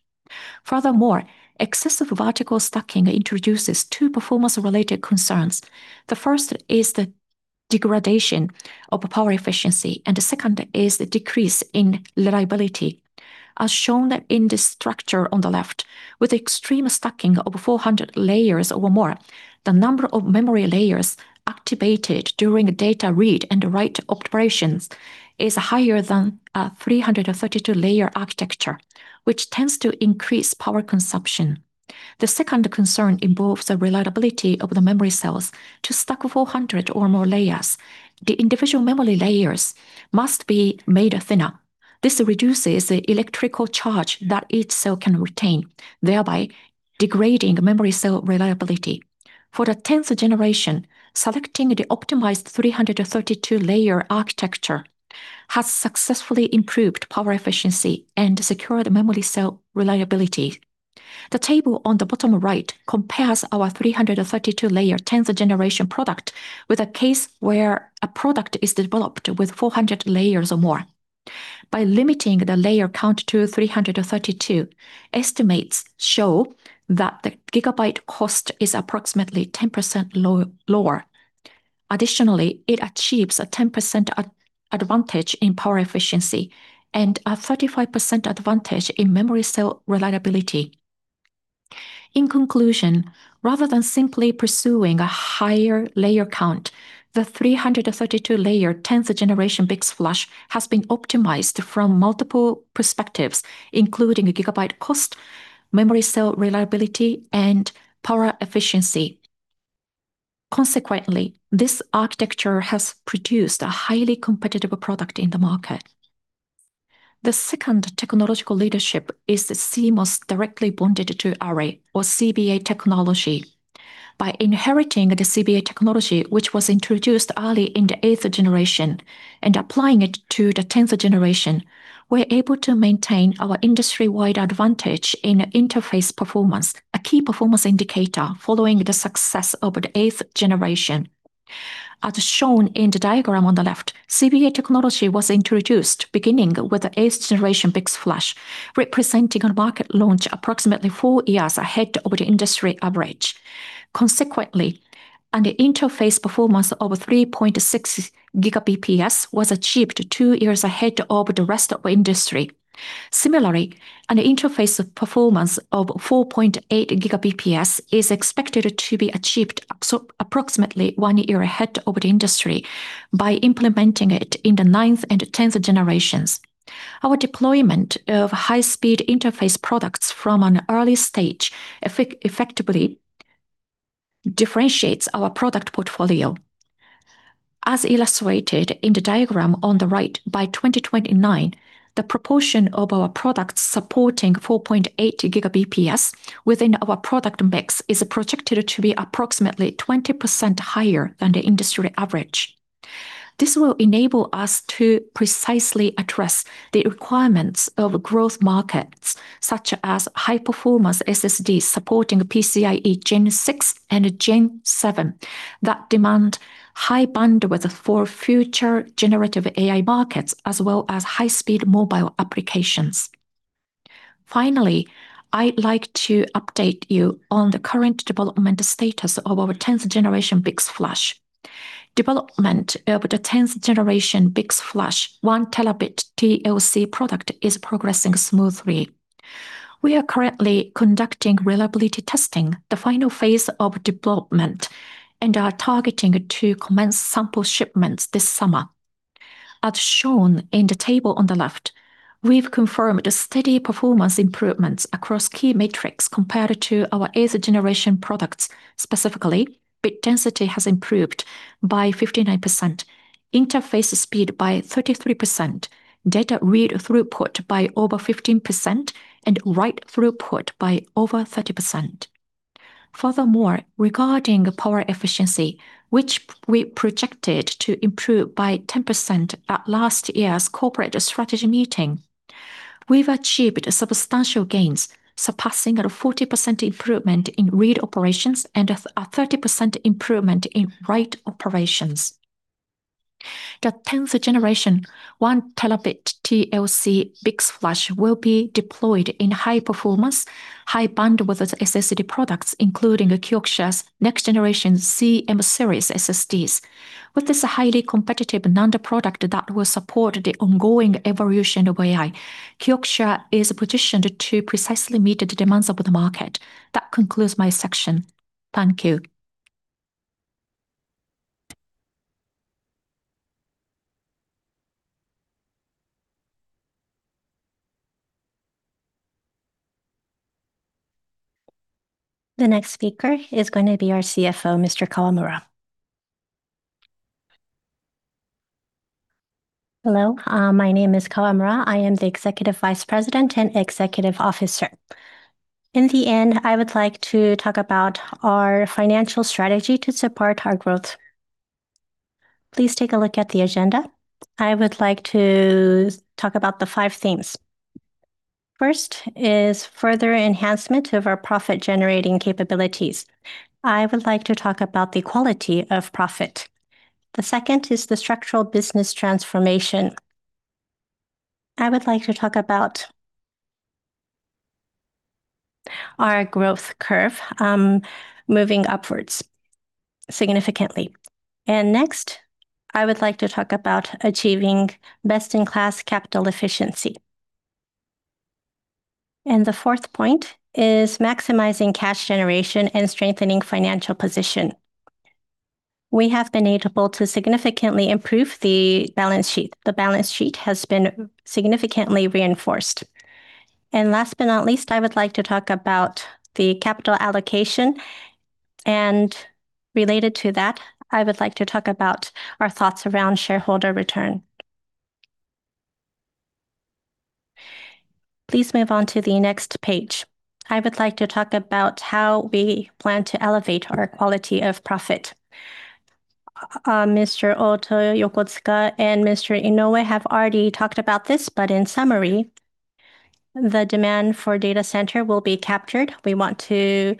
Furthermore, excessive vertical stacking introduces two performance-related concerns. The first is the degradation of power efficiency, and the second is the decrease in reliability. As shown in the structure on the left, with extreme stacking of 400 layers or more, the number of memory layers activated during data read and write operations is higher than a 332-layer architecture, which tends to increase power consumption. The second concern involves the reliability of the memory cells. To stack 400 or more layers, the individual memory layers must be made thinner. This reduces the electrical charge that each cell can retain, thereby degrading memory cell reliability. For the 10th generation, selecting the optimized 332-layer architecture has successfully improved power efficiency and secured memory cell reliability. The table on the bottom right compares our 332-layer 10th generation product with a case where a product is developed with 400 layers or more. By limiting the layer count to 332, estimates show that the gigabyte cost is approximately 10% lower. Additionally, it achieves a 10% advantage in power efficiency and a 35% advantage in memory cell reliability. In conclusion, rather than simply pursuing a higher layer count, the 332-layer 10th generation BiCS FLASH has been optimized from multiple perspectives, including gigabyte cost, memory cell reliability, and power efficiency. Consequently, this architecture has produced a highly competitive product in the market. The second technological leadership is the CMOS directly Bonded to Array, or CBA, technology. By inheriting the CBA technology, which was introduced early in the eighth generation, and applying it to the 10th generation, we're able to maintain our industry-wide advantage in interface performance, a key performance indicator following the success of the eighth generation. As shown in the diagram on the left, CBA technology was introduced beginning with the eighth generation BiCS FLASH, representing a market launch approximately four years ahead of the industry average. Consequently, an interface performance of 3.6 Gbps was achieved two years ahead of the rest of the industry. Similarly, an interface performance of 4.8 Gbps is expected to be achieved approximately one year ahead of the industry by implementing it in the ninth and 10th generations. Our deployment of high-speed interface products from an early stage effectively differentiates our product portfolio. As illustrated in the diagram on the right, by 2029, the proportion of our products supporting 4.8 Gbps within our product mix is projected to be approximately 20% higher than the industry average. This will enable us to precisely address the requirements of growth markets, such as high-performance SSDs supporting PCIe Gen 6 and Gen 7, that demand high bandwidth for future generative AI markets as well as high-speed mobile applications. Finally, I'd like to update you on the current development status of our 10th generation BiCS FLASH. Development of the 10th generation BiCS FLASH 1 TB TLC product is progressing smoothly. We are currently conducting reliability testing, the final phase of development, and are targeting to commence sample shipments this summer. As shown in the table on the left, we've confirmed steady performance improvements across key metrics compared to our eighth generation products. Specifically, bit density has improved by 59%, interface speed by 33%, data read throughput by over 15%, and write throughput by over 30%. Furthermore, regarding power efficiency, which we projected to improve by 10% at last year's corporate strategy meeting, we've achieved substantial gains surpassing a 40% improvement in read operations and a 30% improvement in write operations. The 10th generation 1 TB TLC BiCS FLASH will be deployed in high-performance, high-bandwidth SSD products, including KIOXIA's next generation CM series SSDs. With this highly competitive NAND product that will support the ongoing evolution of AI, KIOXIA is positioned to precisely meet the demands of the market. That concludes my section. Thank you. The next speaker is going to be our CFO, Mr. Kawamura. Hello, my name is Kawamura. I am the Executive Vice President and Executive Officer. In the end, I would like to talk about our financial strategy to support our growth. Please take a look at the agenda. I would like to talk about the five themes. First is further enhancement of our profit-generating capabilities. I would like to talk about the quality of profit. The second is the structural business transformation. I would like to talk about our growth curve moving upwards significantly. Next, I would like to talk about achieving best-in-class capital efficiency. The fourth point is maximizing cash generation and strengthening financial position. We have been able to significantly improve the balance sheet. The balance sheet has been significantly reinforced. Last but not least, I would like to talk about the capital allocation. Related to that, I would like to talk about our thoughts around shareholder return. Please move on to the next page. I would like to talk about how we plan to elevate our quality of profit. Mr. Ota, Yokotsuka, and Mr. Inoue have already talked about this. In summary, the demand for data center will be captured. We want to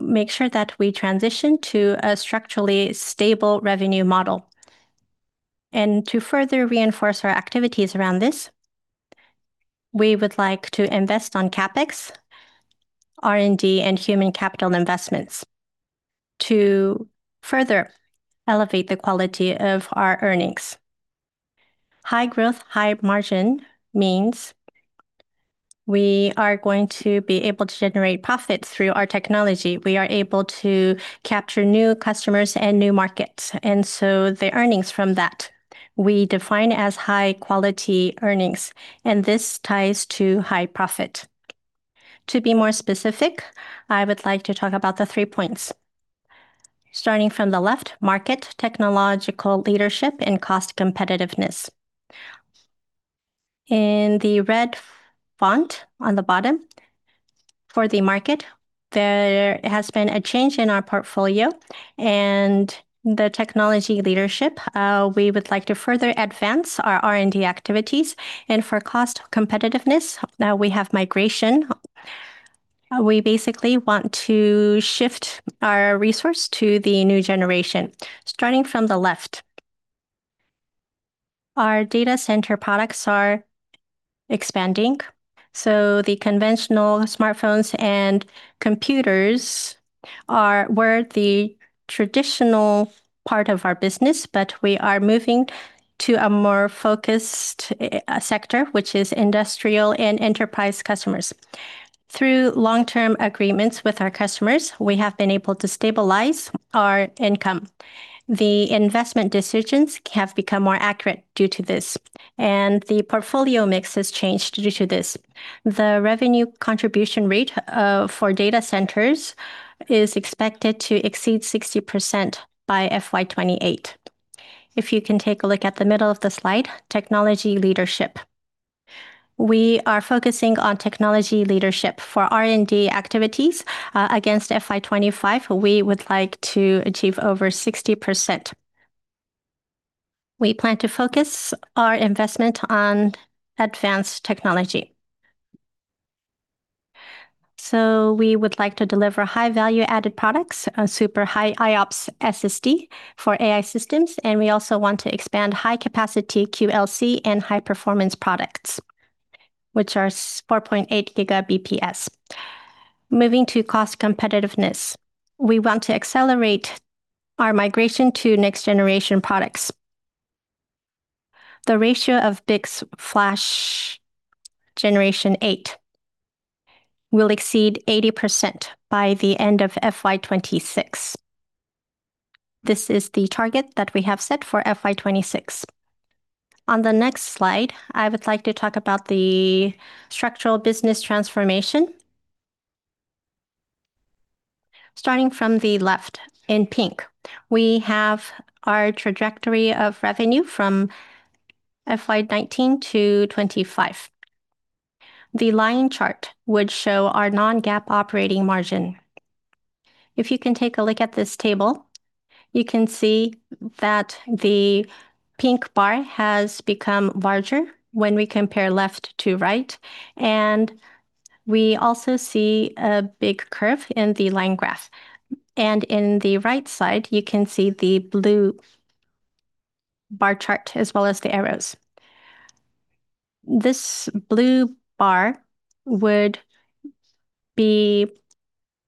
make sure that we transition to a structurally stable revenue model. To further reinforce our activities around this, we would like to invest on CapEx, R&D, and human capital investments to further elevate the quality of our earnings. High growth, high margin means we are going to be able to generate profits through our technology. We are able to capture new customers and new markets. The earnings from that we define as high-quality earnings, and this ties to high profit. To be more specific, I would like to talk about the three points. Starting from the left, market, technological leadership, and cost competitiveness. In the red font on the bottom for the market, there has been a change in our portfolio and the technology leadership. We would like to further advance our R&D activities. For cost competitiveness, now we have migration. We basically want to shift our resource to the new generation. Starting from the left, our data center products are expanding. The conventional smartphones and computers were the traditional part of our business, but we are moving to a more focused sector, which is industrial and enterprise customers. Through long-term agreements with our customers, we have been able to stabilize our income. The investment decisions have become more accurate due to this, and the portfolio mix has changed due to this. The revenue contribution rate for data centers is expected to exceed 60% by FY 2028. If you can take a look at the middle of the slide, technology leadership. We are focusing on technology leadership for R&D activities. Against FY 2025, we would like to achieve over 60%. We would like to focus our investment on advanced technology. We would like to deliver high-value added products, a super high IOPS SSD for AI systems, and we also want to expand high-capacity QLC and high-performance products, which are 4.8 Gbps. Moving to cost competitiveness. We want to accelerate our migration to next-generation products. The ratio of BiCS FLASH generation eight will exceed 80% by the end of FY 2026. This is the target that we have set for FY 2026. On the next slide, I would like to talk about the structural business transformation. Starting from the left in pink, we have our trajectory of revenue from FY 2019-2025. The line chart would show our non-GAAP operating margin. If you can take a look at this table, you can see that the pink bar has become larger when we compare left to right, and we also see a big curve in the line graph. In the right side, you can see the blue bar chart as well as the arrows. This blue bar would be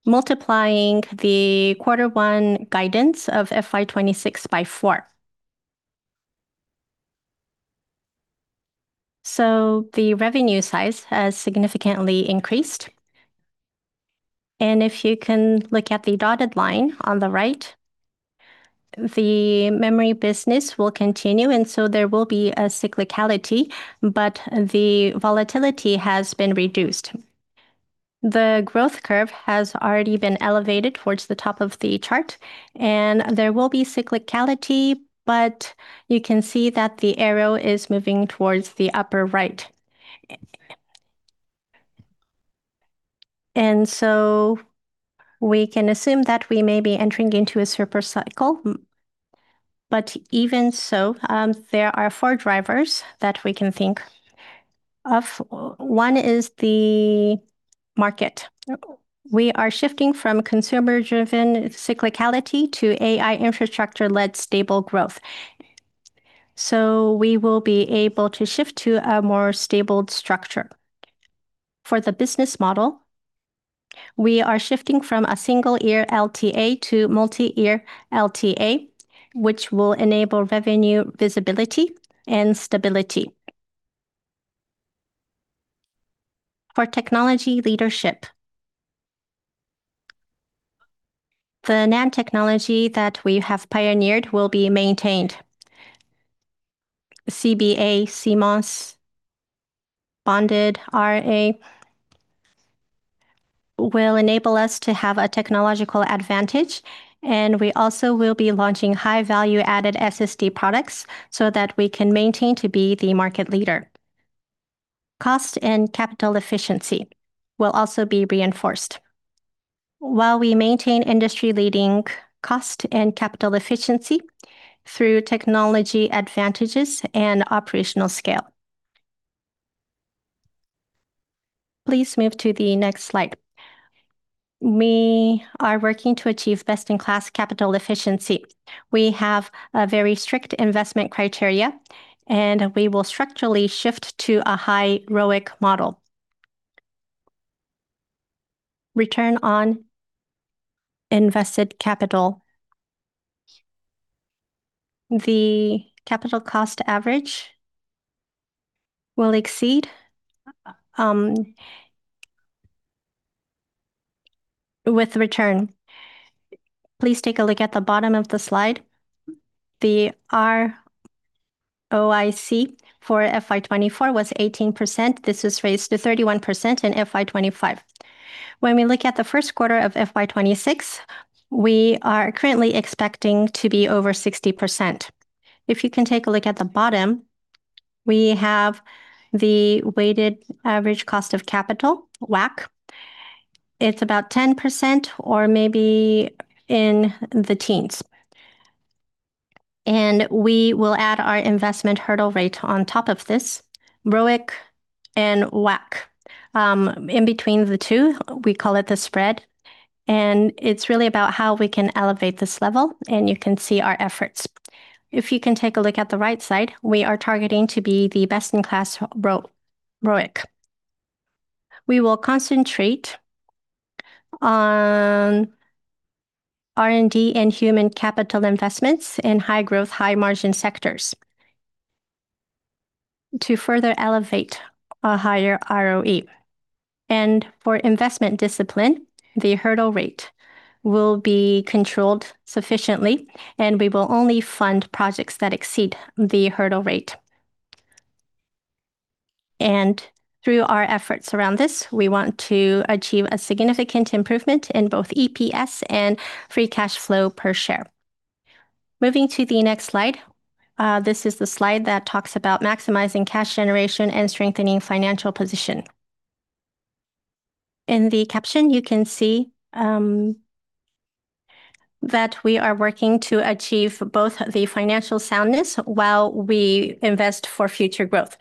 multiplying the Q1 guidance of FY 2026 by four. The revenue size has significantly increased. If you can look at the dotted line on the right, the memory business will continue, and so there will be a cyclicality, but the volatility has been reduced. The growth curve has already been elevated towards the top of the chart, and there will be cyclicality, but you can see that the arrow is moving towards the upper right. We can assume that we may be entering into a super cycle. Even so, there are four drivers that we can think of. One is the market. We are shifting from consumer-driven cyclicality to AI infrastructure-led stable growth. We will be able to shift to a more stabled structure. For the business model, we are shifting from a single-year LTA to multi-year LTA, which will enable revenue visibility and stability. For technology leadership, the NAND technology that we have pioneered will be maintained. CBA, CMOS Bonded Array will enable us to have a technological advantage, and we also will be launching high-value added SSD products so that we can maintain to be the market leader. Cost and capital efficiency will also be reinforced while we maintain industry-leading cost and capital efficiency through technology advantages and operational scale. Please move to the next slide. We are working to achieve best-in-class capital efficiency. We have a very strict investment criteria, and we will structurally shift to a high ROIC model. Return on invested capital. The capital cost average will exceed with return. Please take a look at the bottom of the slide. The ROIC for FY 2024 was 18%. This was raised to 31% in FY 2025. When we look at the first quarter of FY 2026, we are currently expecting to be over 60%. If you can take a look at the bottom, we have the weighted average cost of capital, WACC. It's about 10% or maybe in the teens. We will add our investment hurdle rate on top of this, ROIC and WACC. In between the two, we call it the spread, and it's really about how we can elevate this level, and you can see our efforts. If you can take a look at the right side, we are targeting to be the best in class ROIC. We will concentrate on R&D and human capital investments in high growth, high margin sectors to further elevate a higher ROE. For investment discipline, the hurdle rate will be controlled sufficiently, and we will only fund projects that exceed the hurdle rate. Through our efforts around this, we want to achieve a significant improvement in both EPS and free cash flow per share. Moving to the next slide. This is the slide that talks about maximizing cash generation and strengthening financial position. In the caption, you can see that we are working to achieve both the financial soundness while we invest for future growth.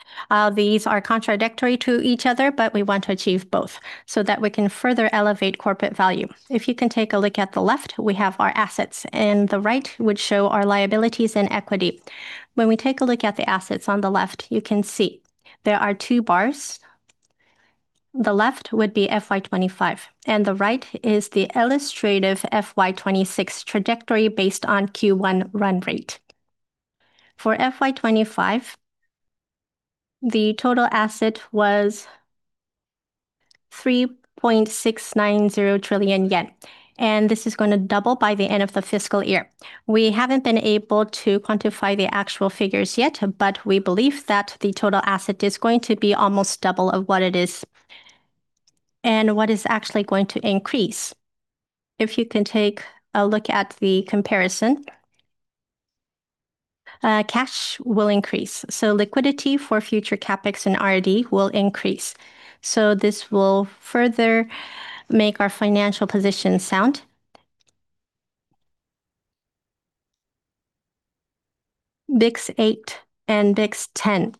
These are contradictory to each other, but we want to achieve both so that we can further elevate corporate value. If you can take a look at the left, we have our assets, and the right would show our liabilities and equity. When we take a look at the assets on the left, you can see there are two bars. The left would be FY 2025, and the right is the illustrative FY 2026 trajectory based on Q1 run rate. For FY 2025, the total asset was 3.690 trillion yen, and this is going to double by the end of the fiscal year. We haven't been able to quantify the actual figures yet, we believe that the total asset is going to be almost double of what it is and what is actually going to increase. If you can take a look at the comparison, cash will increase. Liquidity for future CapEx and R&D will increase. This will further make our financial position sound. BiCS8 and BiCS10.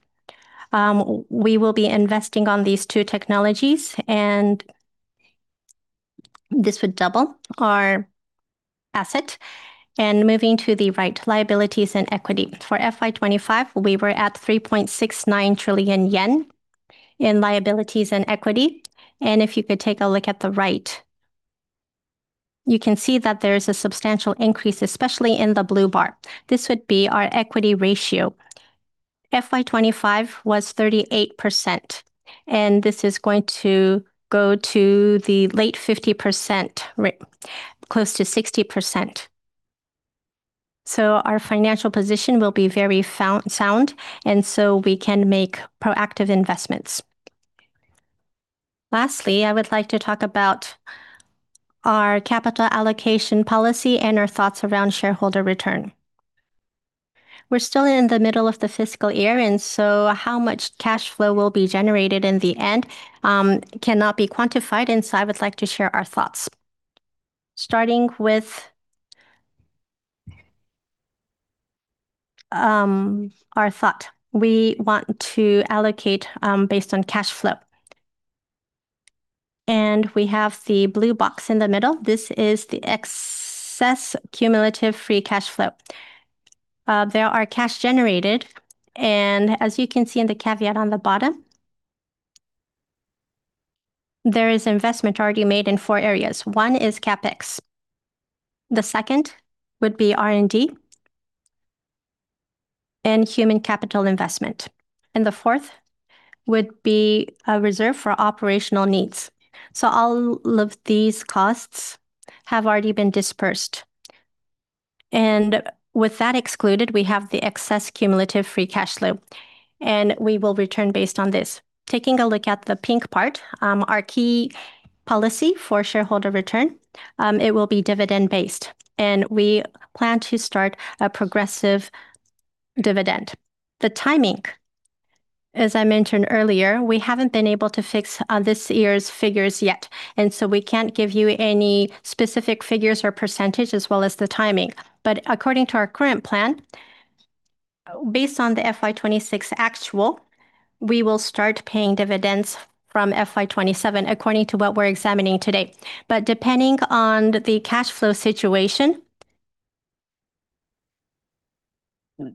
We will be investing on these two technologies, and this would double our asset. Moving to the right, liabilities and equity. For FY 2025, we were at 3.69 trillion yen in liabilities and equity. If you could take a look at the right. You can see that there is a substantial increase, especially in the blue bar. This would be our equity ratio. FY 2025 was 38%, and this is going to go to the late 50%, close to 60%. Our financial position will be very sound, we can make proactive investments. Lastly, I would like to talk about our capital allocation policy and our thoughts around shareholder return. We're still in the middle of the fiscal year, how much cash flow will be generated in the end cannot be quantified, I would like to share our thoughts. Starting with our thought. We want to allocate based on cash flow. We have the blue box in the middle. This is the excess cumulative free cash flow. There are cash generated, as you can see in the caveat on the bottom, there is investment already made in four areas. One is CapEx. The second would be R&D and human capital investment. The fourth would be a reserve for operational needs. All of these costs have already been dispersed. With that excluded, we have the excess cumulative free cash flow, and we will return based on this. Taking a look at the pink part, our key policy for shareholder return, it will be dividend based, and we plan to start a progressive dividend. The timing, as I mentioned earlier, we haven't been able to fix this year's figures yet, and so we can't give you any specific figures or percentage as well as the timing. According to our current plan, based on the FY 2026 actual, we will start paying dividends from FY 2027 according to what we're examining today. Depending on the cash flow situation,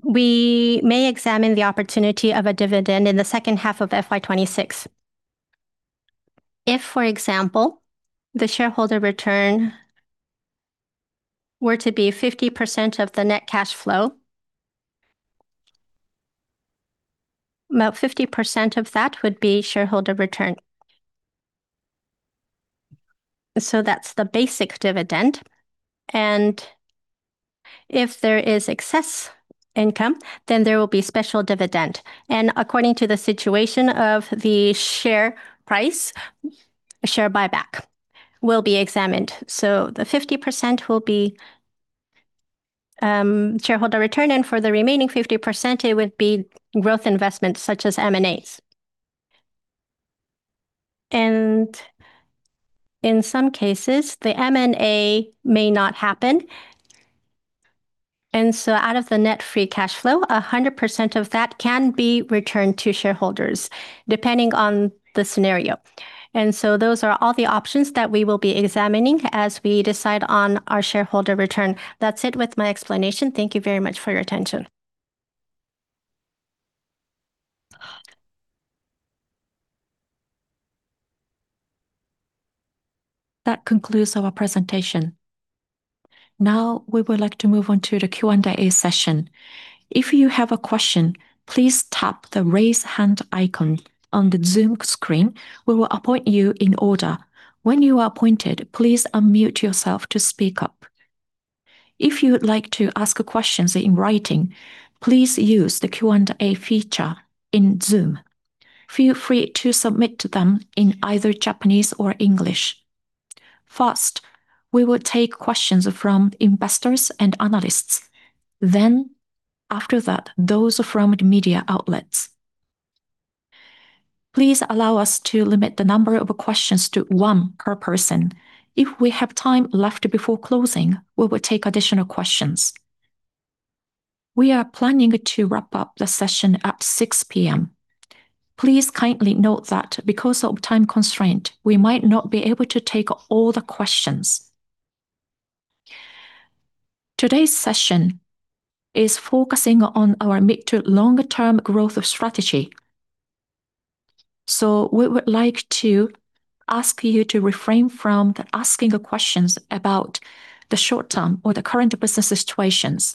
we may examine the opportunity of a dividend in the second half of FY 2026. If, for example, the shareholder return were to be 50% of the net cash flow, about 50% of that would be shareholder return. That's the basic dividend, and if there is excess income, then there will be special dividend. According to the situation of the share price, a share buyback will be examined. The 50% will be shareholder return, and for the remaining 50%, it would be growth investments such as M&As. In some cases, the M&A may not happen, and so out of the net free cash flow, 100% of that can be returned to shareholders, depending on the scenario. Those are all the options that we will be examining as we decide on our shareholder return. That's it with my explanation. Thank you very much for your attention. That concludes our presentation. Now we would like to move on to the Q&A session. If you have a question, please tap the raise hand icon on the Zoom screen. We will appoint you in order. When you are appointed, please unmute yourself to speak up. If you would like to ask questions in writing, please use the Q&A feature in Zoom. Feel free to submit them in either Japanese or English. First, we will take questions from investors and analysts. After that, those from the media outlets. Please allow us to limit the number of questions to one per person. If we have time left before closing, we will take additional questions. We are planning to wrap up the session at 6:00 P.M. Please kindly note that because of time constraint, we might not be able to take all the questions. Today's session is focusing on our mid to longer term growth strategy, so we would like to ask you to refrain from asking questions about the short term or the current business situations.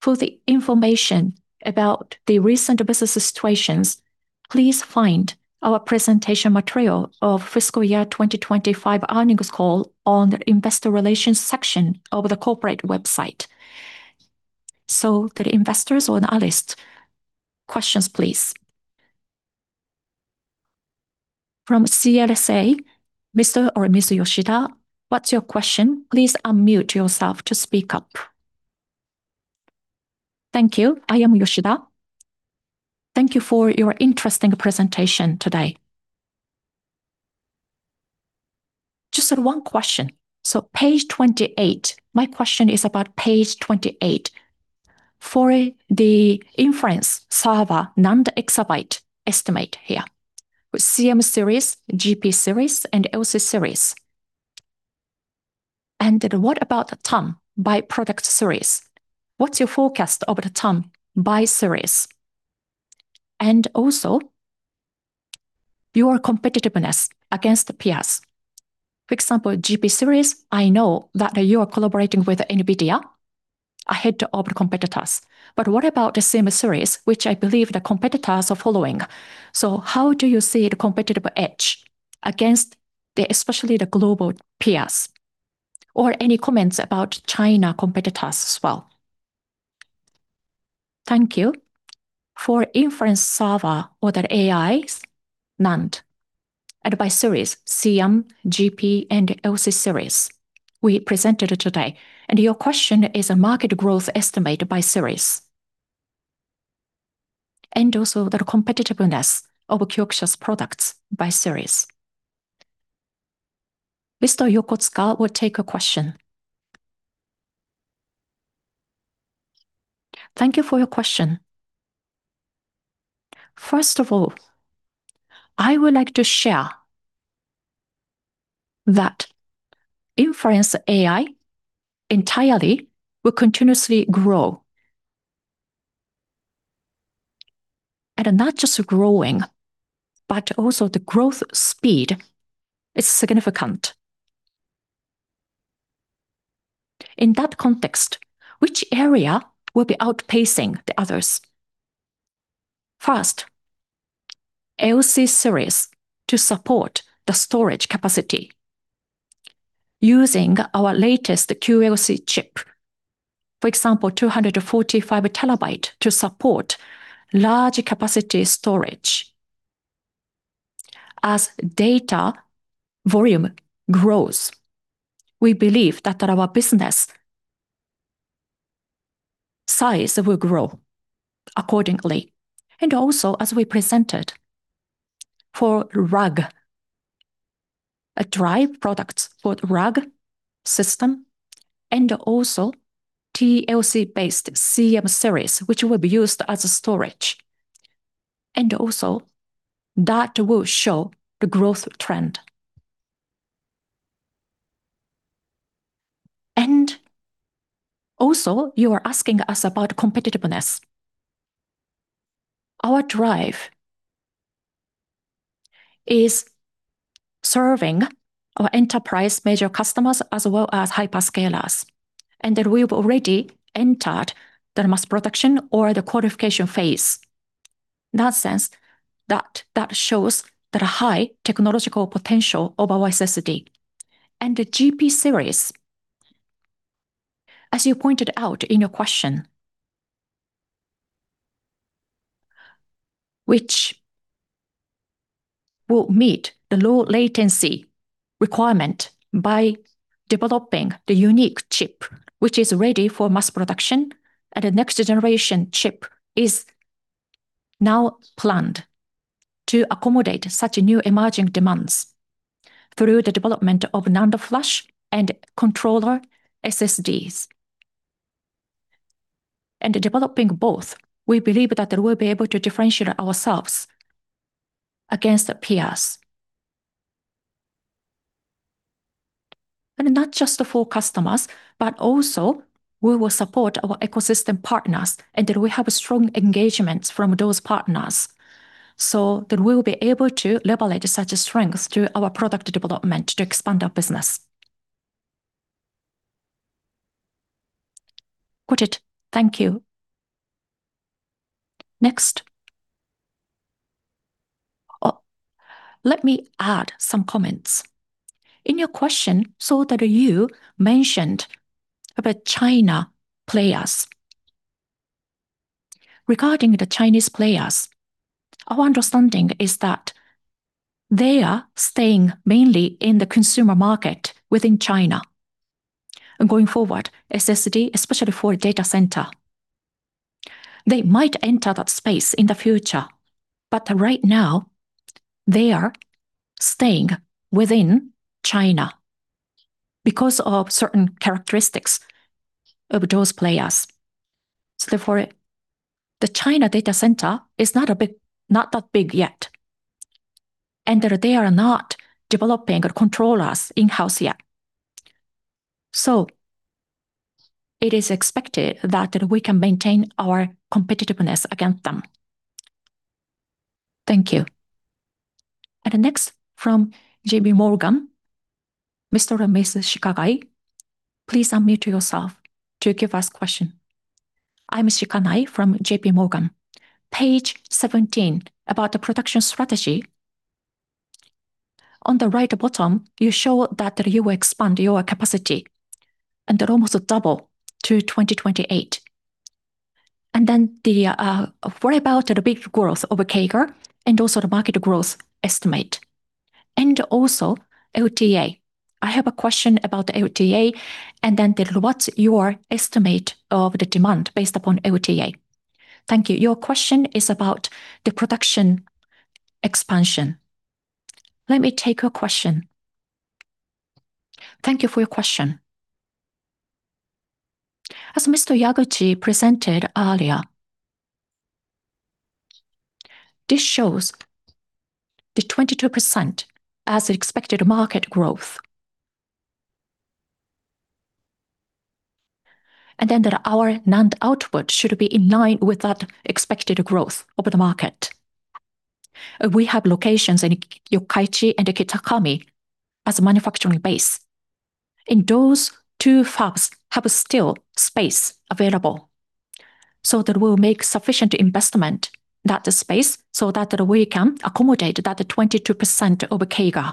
For the information about the recent business situations, please find our presentation material of fiscal year 2025 earnings call on the investor relations section of the corporate website. To the investors and analysts, questions please. From CLSA, Mr. or Miss Yoshida, what's your question? Please unmute yourself to speak up. Thank you. I am Yoshida. Thank you for your interesting presentation today. Just one question. Page 28. My question is about page 28. For the inference server NAND exabyte estimate here with CM series, GP series, and LC series. What about the TAM by product series? What's your forecast of the TAM by series? Also your competitiveness against peers. For example, GP Series, I know that you are collaborating with NVIDIA ahead of competitors. What about the same series, which I believe the competitors are following? How do you see the competitive edge against especially the global peers? Any comments about China competitors as well. Thank you. For inference server or the AI's NAND, by series CM Series, GP Series, and LC Series we presented today. Your question is a market growth estimate by series. Also the competitiveness of KIOXIA's products by series. Mr. Yokotsuka will take a question. Thank you for your question. First of all, I would like to share that inference AI entirely will continuously grow. Not just growing, but also the growth speed is significant. In that context, which area will be outpacing the others? First, LC Series to support the storage capacity using our latest QLC chip. For example, 245 terabyte to support large capacity storage. As data volume grows, we believe that our business size will grow accordingly. As we presented for RAG, a drive product for RAG system and TLC-based CM Series, which will be used as storage. That will show the growth trend. You are asking us about competitiveness. Our drive is serving our enterprise major customers as well as hyperscalers. We've already entered the mass production or the qualification phase. In that sense, that shows that a high technological potential of our SSD. The GP Series, as you pointed out in your question, which will meet the low latency requirement by developing the unique chip, which is ready for mass production. The next generation chip is now planned to accommodate such new emerging demands through the development of NAND flash and controller SSDs. Developing both, we believe that we'll be able to differentiate ourselves against the peers. Not just for customers, but also we will support our ecosystem partners, and that we have strong engagements from those partners. That we'll be able to leverage such strengths through our product development to expand our business. Got it. Thank you. Next. Oh, let me add some comments. In your question, so that you mentioned about China players. Regarding the Chinese players, our understanding is that they are staying mainly in the consumer market within China. Going forward, SSD, especially for data center, they might enter that space in the future. Right now, they are staying within China because of certain characteristics of those players. The China data center is not that big yet, and that they are not developing or controllers in-house yet. It is expected that we can maintain our competitiveness against them. Thank you. Next from JPMorgan, Ms. Shikanai, please unmute yourself to give us question. I'm Shikanai from JPMorgan. page 17, about the production strategy. On the right bottom, you show that you will expand your capacity and almost double to 2028. What about the big growth of CAGR and also the market growth estimate? LTA. I have a question about the LTA and then what's your estimate of the demand based upon LTA. Thank you. Your question is about the production expansion. Let me take your question. Thank you for your question. As Mr. Yaguchi presented earlier, this shows the 22% as expected market growth. Our NAND output should be in line with that expected growth of the market. We have locations in Yokkaichi and Kitakami as a manufacturing base. Those two fabs have still space available. That will make sufficient investment, that space, so that we can accommodate that 22% over CAGR.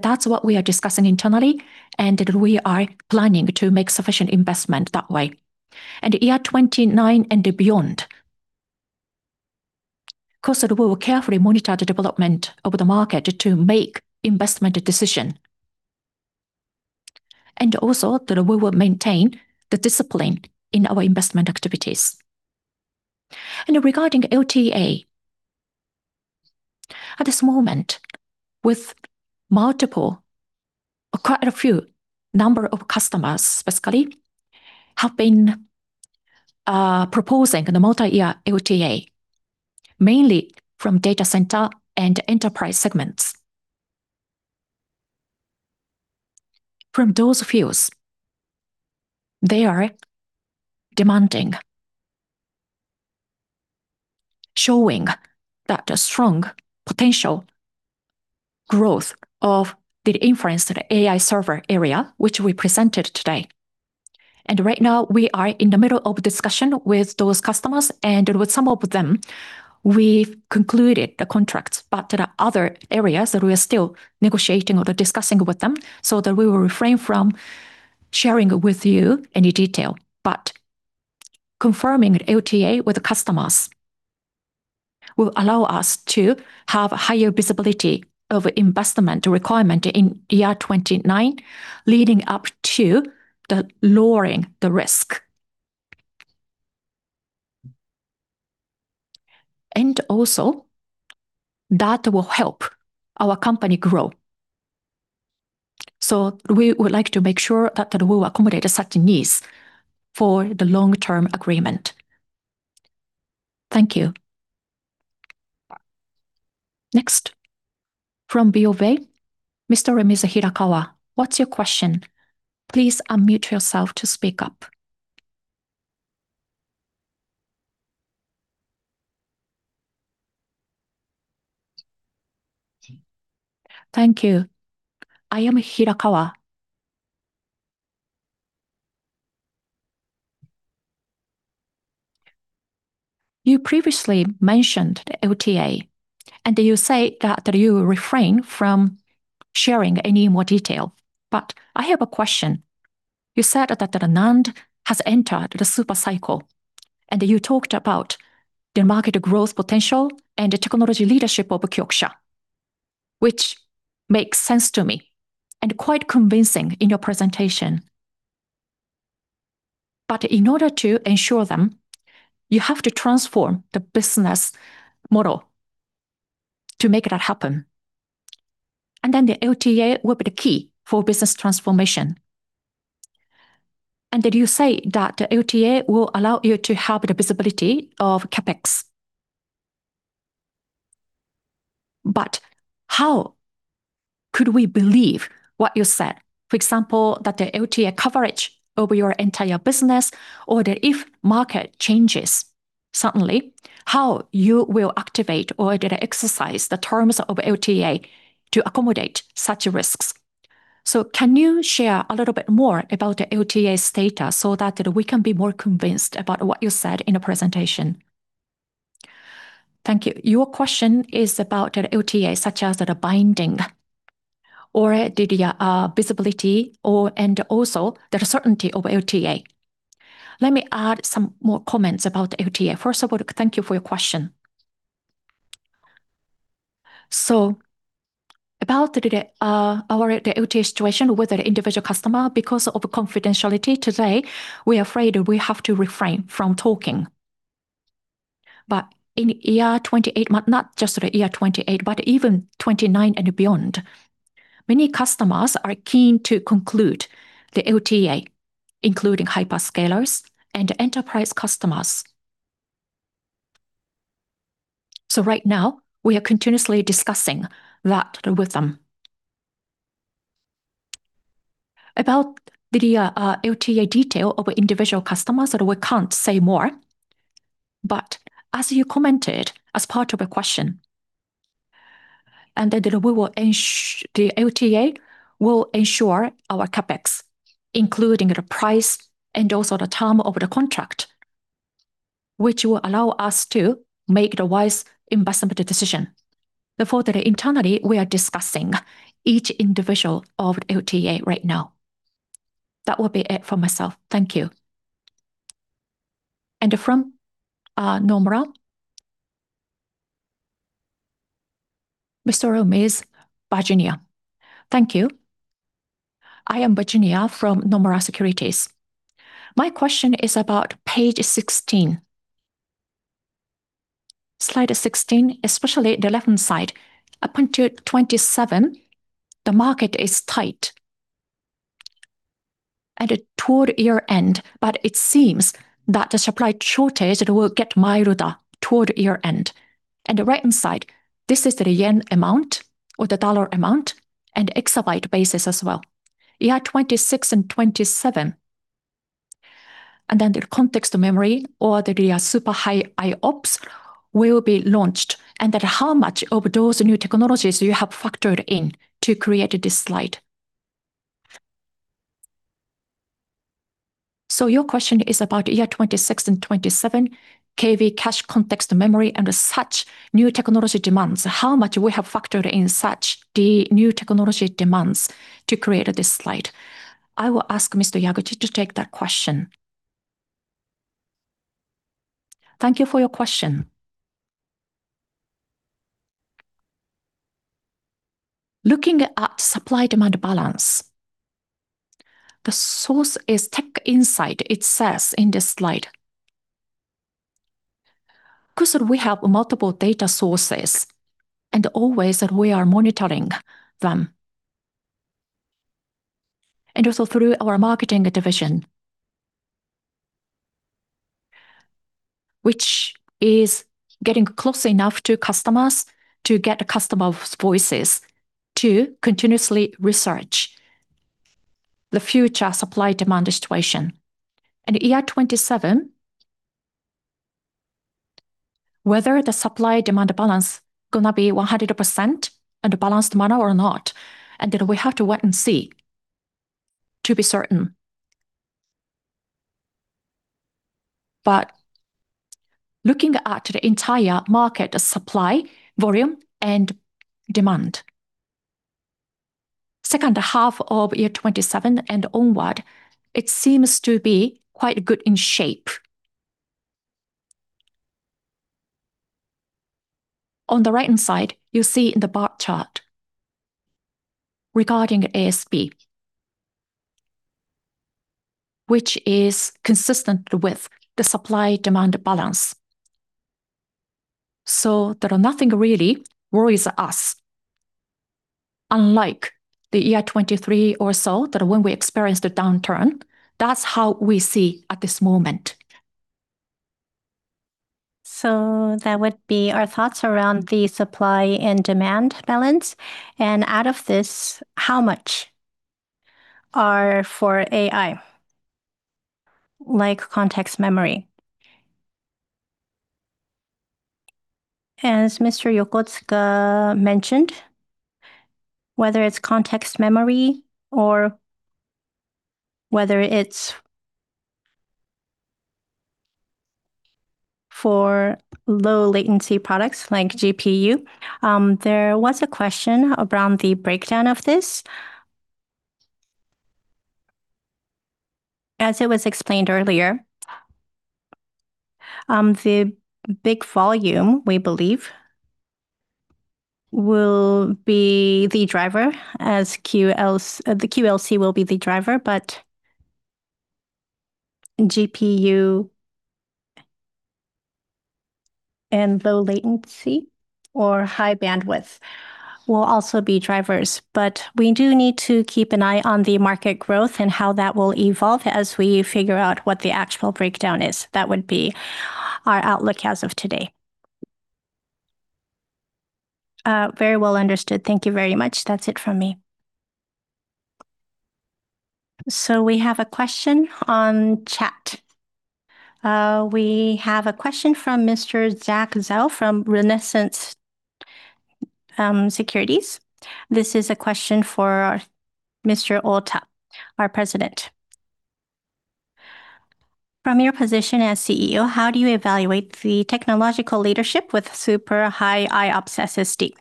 That's what we are discussing internally, and we are planning to make sufficient investment that way. Year 2029 and beyond, of course, we will carefully monitor the development of the market to make investment decision. Also that we will maintain the discipline in our investment activities. Regarding LTA, at this moment, with multiple, quite a few number of customers specifically, have been proposing the multi-year LTA, mainly from data center and enterprise segments. From those fields, they are demanding, showing that strong potential growth of the inference to the AI server area, which we presented today. Right now we are in the middle of discussion with those customers and with some of them, we've concluded the contracts. There are other areas that we are still negotiating or discussing with them, so that we will refrain from sharing with you any detail. Confirming LTA with the customers will allow us to have higher visibility of investment requirement in year 29, leading up to the lowering the risk. Also that will help our company grow. We would like to make sure that we will accommodate such needs for the long-term agreement. Thank you. Next, from BofA, Mr. Hirakawa, what's your question? Please unmute yourself to speak up. Thank you. I am Hirakawa. You previously mentioned LTA. You say that you refrain from sharing any more detail. I have a question. You said that the NAND has entered the super cycle. You talked about the market growth potential and the technology leadership of KIOXIA, which makes sense to me and quite convincing in your presentation. In order to ensure them, you have to transform the business model to make that happen. The LTA will be the key for business transformation. You say that the LTA will allow you to have the visibility of CapEx. How could we believe what you said, for example, that the LTA coverage over your entire business or that if market changes suddenly, how you will activate or exercise the terms of LTA to accommodate such risks? Can you share a little bit more about the LTA status so that we can be more convinced about what you said in the presentation? Thank you. Your question is about the LTA such as the binding or the visibility or, and also the certainty of LTA. Let me add some more comments about LTA. First of all, thank you for your question. About our LTA situation with an individual customer, because of confidentiality today, we are afraid we have to refrain from talking. But in year 2028, not just year 2028, but even 2029 and beyond, many customers are keen to conclude the LTA, including hyperscalers and enterprise customers. Right now, we are continuously discussing that with them. About the LTA detail of individual customers that we can't say more, but as you commented as part of a question, the LTA will ensure our CapEx, including the price and also the term of the contract, which will allow us to make the wise investment decision. Internally, we are discussing each individual of LTA right now. That will be it for myself. Thank you. From Nomura, Mr. or Ms., Virginia. Thank you. I am Virginia from Nomura Securities. My question is about page 16. Slide 16, especially the left-hand side. Up until 2027, the market is tight. Toward year-end, it seems that the supply shortage will get milder toward year-end. The right-hand side, this is the yen amount or the dollar amount Exabyte basis as well. Year 2026 and 2027, then the Context Memory or the super high IOPS will be launched. That how much of those new technologies you have factored in to create this slide? Your question is about year 2026 and 2027, KV cache Context Memory, and such new technology demands. How much we have factored in such the new technology demands to create this slide? I will ask Mr. Yaguchi to take that question. Thank you for your question. Looking at supply-demand balance, the source is TechInsights it says in this slide. Because we have multiple data sources and always we are monitoring them. Also through our marketing division, which is getting close enough to customers to get customer voices to continuously research the future supply-demand situation. In year 2027, whether the supply-demand balance going to be 100% in a balanced manner or not, then we have to wait and see to be certain. Looking at the entire market supply volume and demand, second half of year 2027 and onward, it seems to be quite good in shape. On the right-hand side, you see in the bar chart regarding ASP, which is consistent with the supply-demand balance. There are nothing really worries us, unlike the year 2023 or so that when we experienced a downturn. That's how we see at this moment. That would be our thoughts around the supply and demand balance. Out of this, how much are for AI, like Context Memory? As Mr. Yokotsuka mentioned, whether it's Context Memory or whether it's for low latency products like GPU. There was a question around the breakdown of this. As it was explained earlier, the big volume, we believe, the QLC will be the driver, but GPU and low latency or high bandwidth will also be drivers. We do need to keep an eye on the market growth and how that will evolve as we figure out what the actual breakdown is. That would be our outlook as of today. Very well understood. Thank you very much. That's it from me. We have a question on chat. We have a question from Mr. Zach Zhao from Renaissance Capital. This is a question for Mr. Ota, our President. From your position as CEO, how do you evaluate the technological leadership with super high IOPS SSD?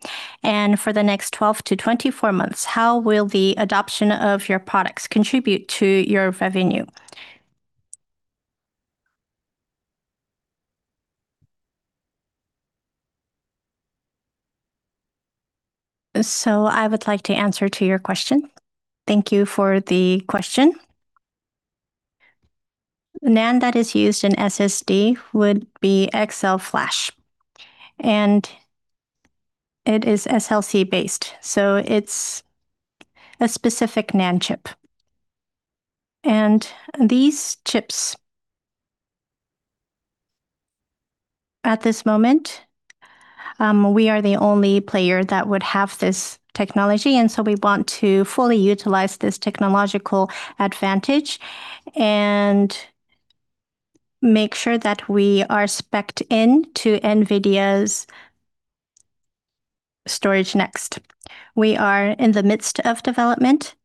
For the next 12-24 months, how will the adoption of your products contribute to your revenue? I would like to answer to your question. Thank you for the question. NAND that is used in SSD would be XL-FLASH, and it is SLC based, so it's a specific NAND chip. These chips, at this moment, we are the only player that would have this technology, and so we want to fully utilize this technological advantage and make sure that we are specced in to NVIDIA's StorageNext. We are in the midst of development.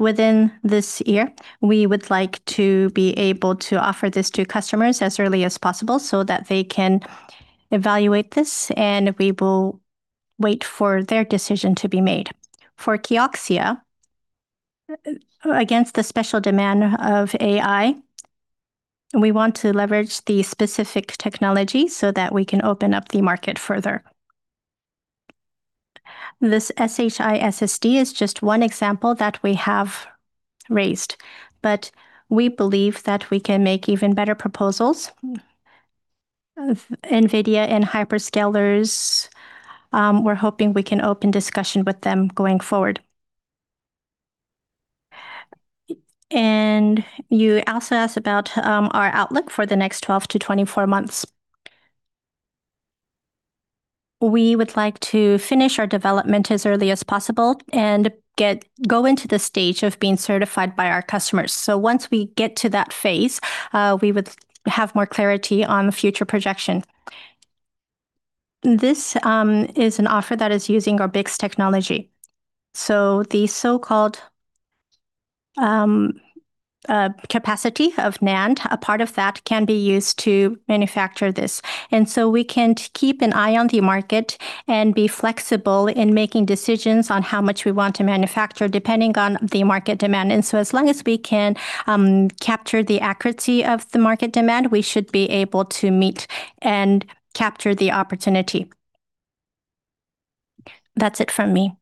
Within this year, we would like to be able to offer this to customers as early as possible so that they can evaluate this, and we will wait for their decision to be made. For KIOXIA, against the special demand of AI, we want to leverage the specific technology so that we can open up the market further. This SHI SSD is just one example that we have raised, but we believe that we can make even better proposals. NVIDIA and hyperscalers, we're hoping we can open discussion with them going forward. You also asked about our outlook for the next 12-24 months. We would like to finish our development as early as possible and go into the stage of being certified by our customers. Once we get to that phase, we would have more clarity on the future projection. This is an offer that is using our BiCS technology. The so-called capacity of NAND, a part of that can be used to manufacture this. We can keep an eye on the market and be flexible in making decisions on how much we want to manufacture, depending on the market demand. As long as we can capture the accuracy of the market demand, we should be able to meet and capture the opportunity. That's it from me.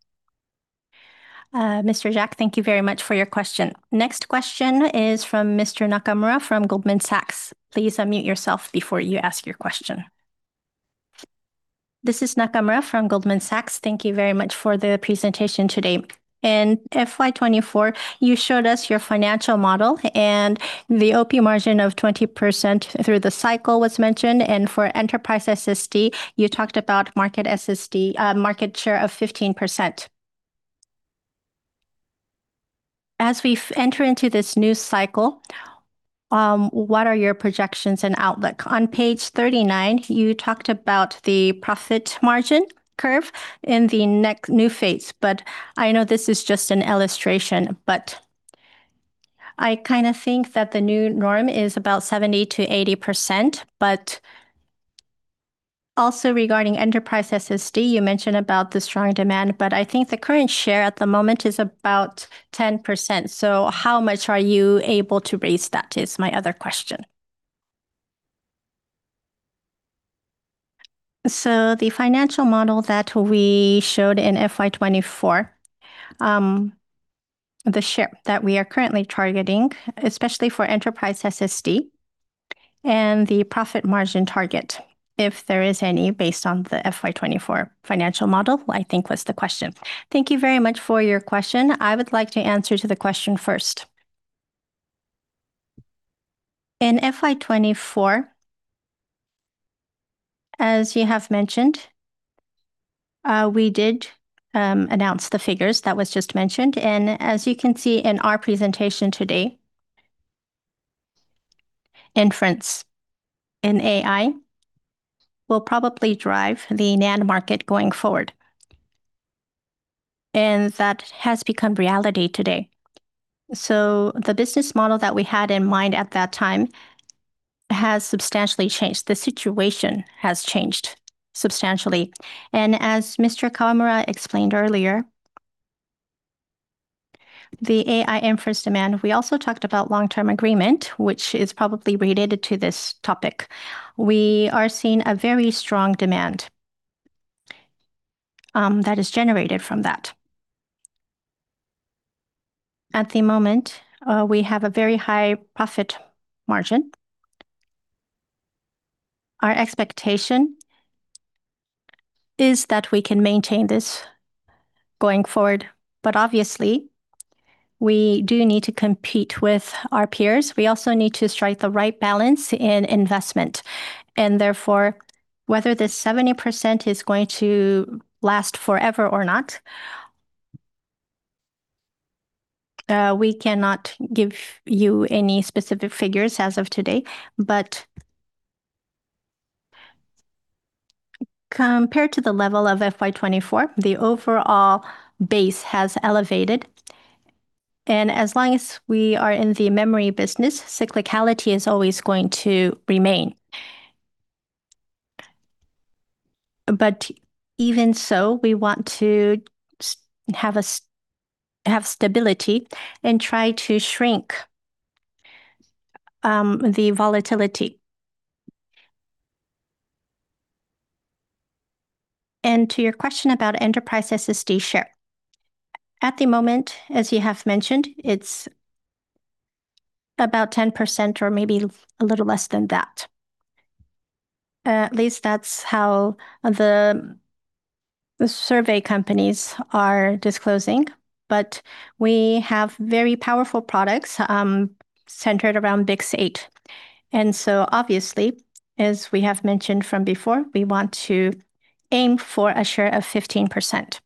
Mr. Wang, thank you very much for your question. Next question is from Mr. Nakamura from Goldman Sachs. Please unmute yourself before you ask your question. This is Nakamura from Goldman Sachs. Thank you very much for the presentation today. In FY 2024, you showed us your financial model and the OP margin of 20% through the cycle was mentioned, and for enterprise SSD, you talked about market share of 15%. As we enter into this new cycle, what are your projections and outlook? On page 39, you talked about the profit margin curve in the new phase. I know this is just an illustration, but I think that the new norm is about 70%-80%. Also regarding enterprise SSD, you mentioned about the strong demand, but I think the current share at the moment is about 10%. How much are you able to raise that, is my other question. The financial model that we showed in FY 2024, the share that we are currently targeting, especially for enterprise SSD and the profit margin target, if there is any, based on the FY 2024 financial model, I think was the question. Thank you very much for your question. I would like to answer to the question first. In FY 2024, as you have mentioned, we did announce the figures that was just mentioned. As you can see in our presentation today, inference in AI will probably drive the NAND market going forward. That has become reality today. The business model that we had in mind at that time has substantially changed. The situation has changed substantially. As Mr. Kawamura explained earlier, the AI inference demand, we also talked about long-term agreement, which is probably related to this topic. We are seeing a very strong demand that is generated from that. At the moment, we have a very high profit margin. Our expectation is that we can maintain this going forward, but obviously, we do need to compete with our peers. We also need to strike the right balance in investment. Therefore, whether this 70% is going to last forever or not, we cannot give you any specific figures as of today. Compared to the level of FY 2024, the overall base has elevated, and as long as we are in the memory business, cyclicality is always going to remain. Even so, we want to have stability and try to shrink the volatility. To your question about enterprise SSD share, at the moment, as you have mentioned, it's about 10%, or maybe a little less than that. At least that's how the survey companies are disclosing. We have very powerful products centered around BiCS8. Obviously, as we have mentioned from before, we want to aim for a share of 15%.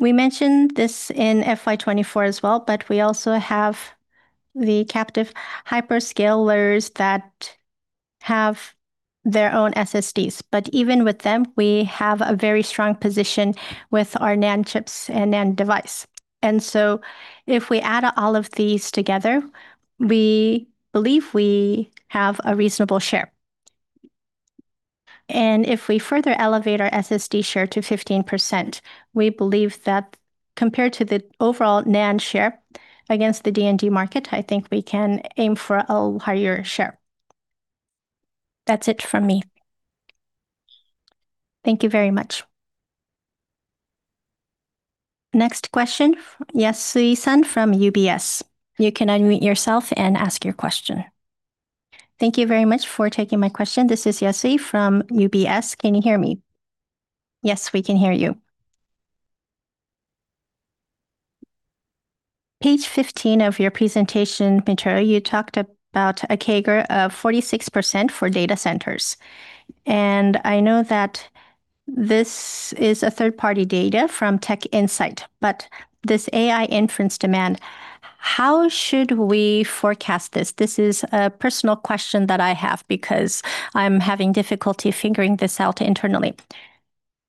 We mentioned this in FY 2024 as well. We also have the captive hyperscalers that have their own SSDs. Even with them, we have a very strong position with our NAND chips and NAND device. If we add all of these together, we believe we have a reasonable share. If we further elevate our SSD share to 15%, we believe that compared to the overall NAND share against the D&D market, I think we can aim for a higher share. That's it from me. Thank you very much. Next question, Yasui-san from UBS. You can unmute yourself and ask your question. Thank you very much for taking my question. This is Yasui from UBS. Can you hear me? Yes, we can hear you. Page 15 of your presentation material, you talked about a CAGR of 46% for data centers. I know that this is a third-party data from TechInsights. This AI inference demand, how should we forecast this? This is a personal question that I have because I'm having difficulty figuring this out internally.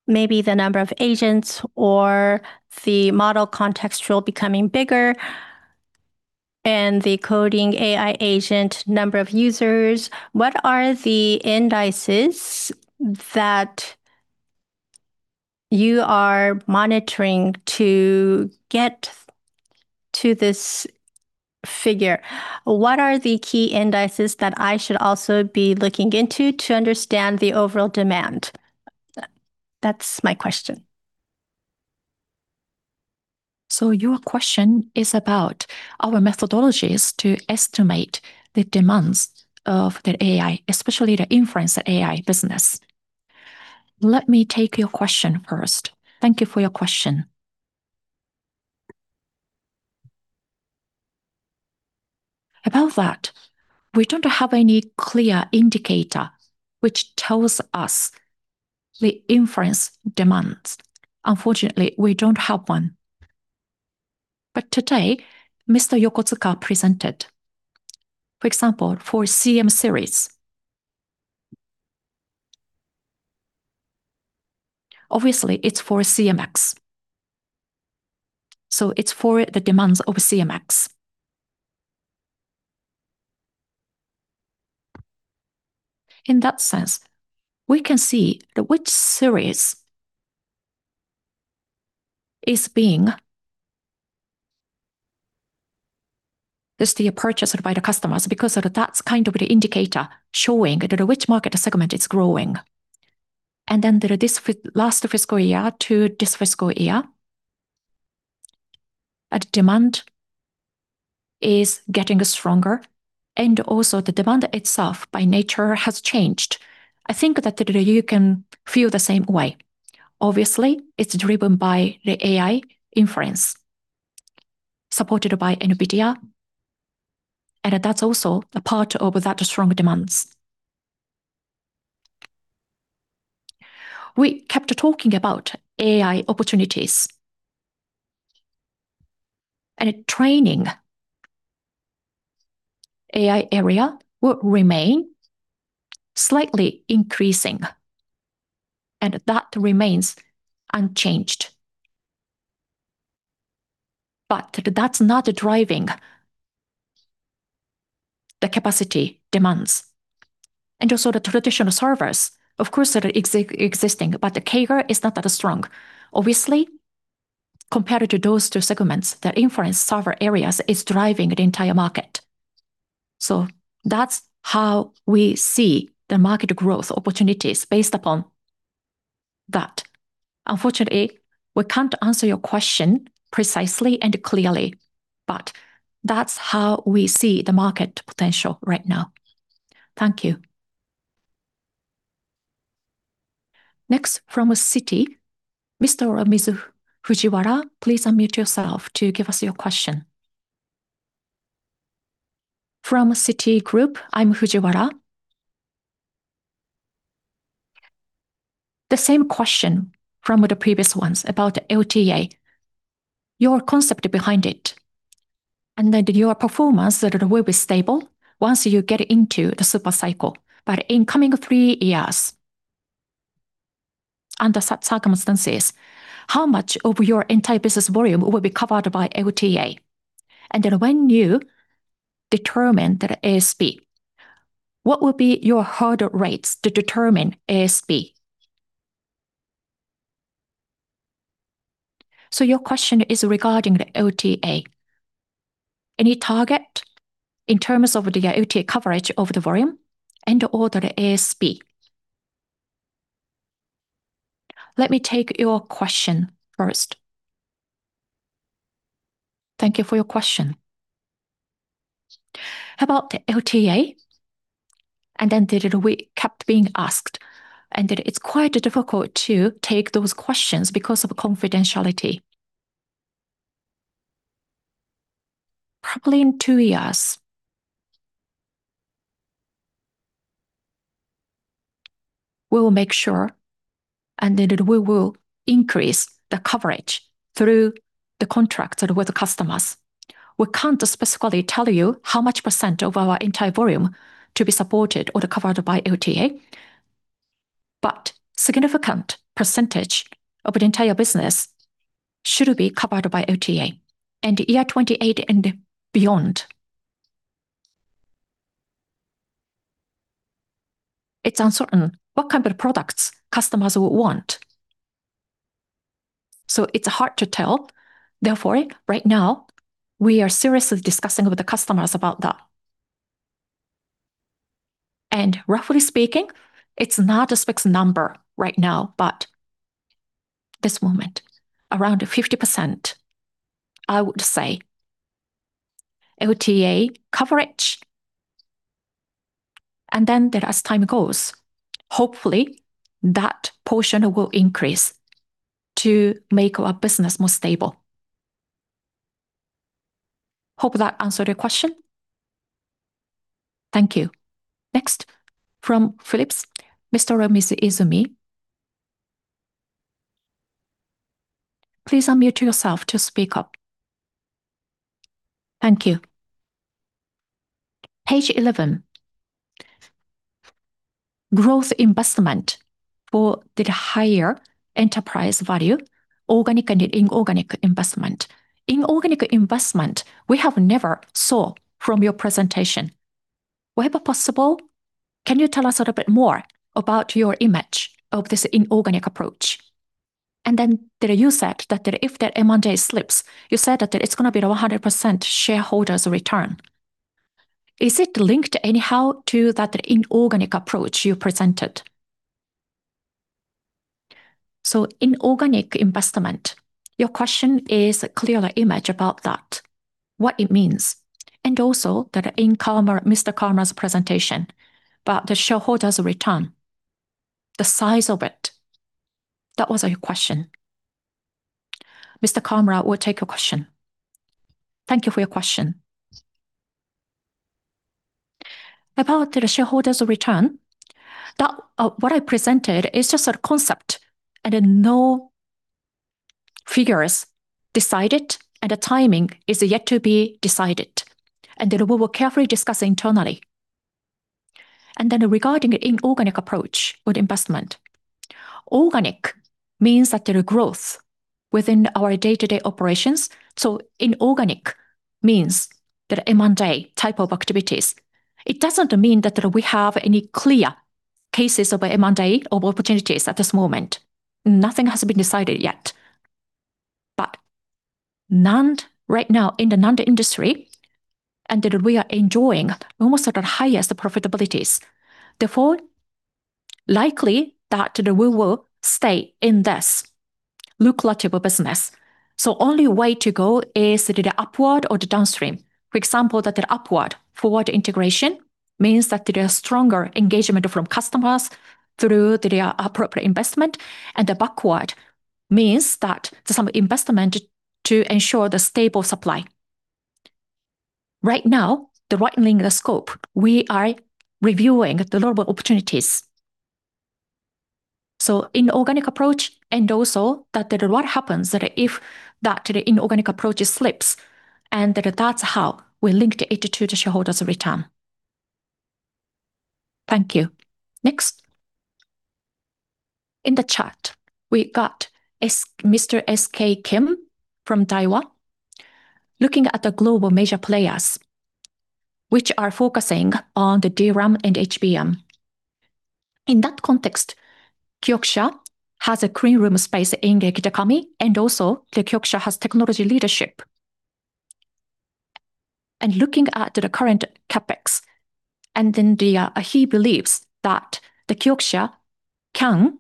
Maybe the number of agents or the model contextual becoming bigger and the coding AI agent number of users. What are the indices that you are monitoring to get to this figure? What are the key indices that I should also be looking into to understand the overall demand? That's my question. Your question is about our methodologies to estimate the demands of the AI, especially the inference AI business. Let me take your question first. Thank you for your question. About that, we don't have any clear indicator which tells us the inference demands. Unfortunately, we don't have one. Today, Mr. Yokotsuka presented, for example, for CM Series. Obviously it's for CMS, so it's for the demands of CMS. In that sense, we can see that which series is being purchased by the customers because that's the indicator showing which market segment is growing. This last fiscal year to this fiscal year, demand is getting stronger, and also the demand itself by nature has changed. I think that you can feel the same way. Obviously, it's driven by the AI inference supported by NVIDIA, and that's also a part of that strong demands. We kept talking about AI opportunities. Training AI area will remain slightly increasing, and that remains unchanged. That's not driving the capacity demands. Also the traditional servers, of course, are existing, but the CAGR is not that strong. Obviously, compared to those two segments, the inference server areas is driving the entire market. That's how we see the market growth opportunities based upon that. Unfortunately, we can't answer your question precisely and clearly, but that's how we see the market potential right now. Thank you. Next from Citi. Mr. or Mrs. Fujiwara, please unmute yourself to give us your question. From Citigroup, I'm Fujiwara. The same question from the previous ones about the Ota, your concept behind it, and then your performance will be stable once you get into the super cycle. In coming three years under such circumstances, how much of your entire business volume will be covered by LTA? When you determine the ASP, what will be your hurdle rates to determine ASP? Your question is regarding the LTA. Any target in terms of the LTA coverage of the volume and/or the ASP? Let me take your question first. Thank you for your question. About the LTA, we kept being asked, and it's quite difficult to take those questions because of confidentiality. Probably in two years we will make sure, we will increase the coverage through the contracts with the customers. We can't specifically tell you how much percent of our entire volume to be supported or covered by LTA, but significant percentage of the entire business should be covered by LTA in the year 2028 and beyond. It's uncertain what kind of products customers would want, so it's hard to tell. Right now, we are seriously discussing with the customers about that. Roughly speaking, it's not a fixed number right now, but this moment, around 50%, I would say, LTA coverage. As time goes, hopefully that portion will increase to make our business more stable. Hope that answered your question. Thank you. Next, from Phillip, Mr. Izumi. Please unmute yourself to speak up. Thank you. Page 11. Growth investment for the higher enterprise value, organic and inorganic investment. Inorganic investment, we have never saw from your presentation. Wherever possible, can you tell us a little bit more about your image of this inorganic approach? You said that if that M&A slips, you said that it's going to be 100% shareholders' return. Is it linked anyhow to that inorganic approach you presented? Inorganic investment, your question is a clearer image about that, what it means. Also that in Mr. Kawamura's presentation about the shareholders' return, the size of it. That was your question. Mr. Kawamura will take your question. Thank you for your question. About the shareholders' return, what I presented is just a concept and no figures decided, and the timing is yet to be decided. We will carefully discuss internally. Regarding inorganic approach with investment. Organic means that there is growth within our day-to-day operations. Inorganic means that M&A type of activities. It doesn't mean that we have any clear cases of M&A or opportunities at this moment. Nothing has been decided yet. Right now in the NAND industry, we are enjoying almost the highest profitabilities. Therefore, likely that we will stay in this lucrative business. Only way to go is the upward or the downstream. For example, upward forward integration means that there is stronger engagement from customers through their appropriate investment. The backward means that some investment to ensure the stable supply. Right now, the widening scope, we are reviewing the global opportunities. Inorganic approach, and also what happens if that inorganic approach slips. That's how we link it to the shareholders' return. Thank you. Next. In the chat, we got Mr. S.K. Kim from Daiwa. Looking at the global major players which are focusing on the DRAM and HBM. In that context, KIOXIA has a clean room space in Kitakami, and also KIOXIA has technology leadership. Looking at the current CapEx, then he believes that KIOXIA can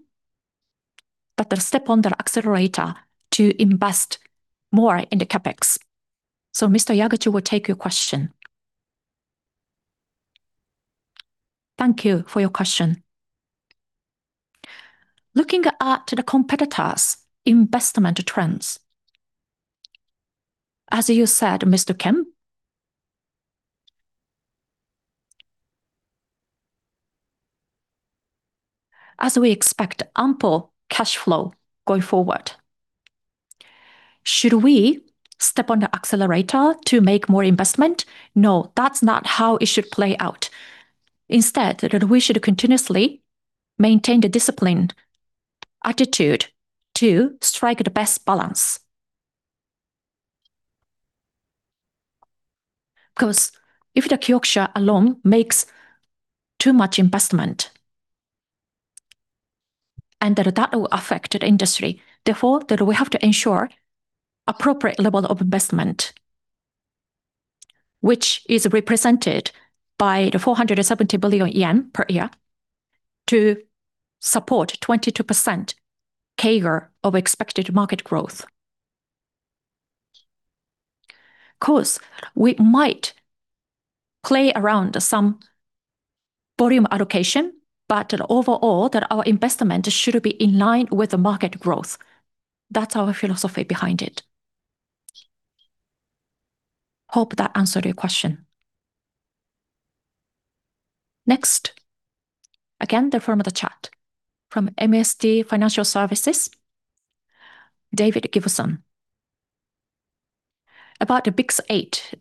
step on the accelerator to invest more in the CapEx. Mr. Yaguchi will take your question. Thank you for your question. Looking at the competitors' investment trends, as you said, Mr. Kim, as we expect ample cash flow going forward, should we step on the accelerator to make more investment? No, that's not how it should play out. Instead, we should continuously maintain the discipline attitude to strike the best balance. If the KIOXIA alone makes too much investment, and that will affect the industry. We have to ensure appropriate level of investment, which is represented by the 470 billion yen per year to support 22% CAGR of expected market growth. We might play around some volume allocation, overall that our investment should be in line with the market growth. That's our philosophy behind it. Hope that answered your question. Next. Again, from the chat, from MST Financial Services, David Gibson. About the BiCS8,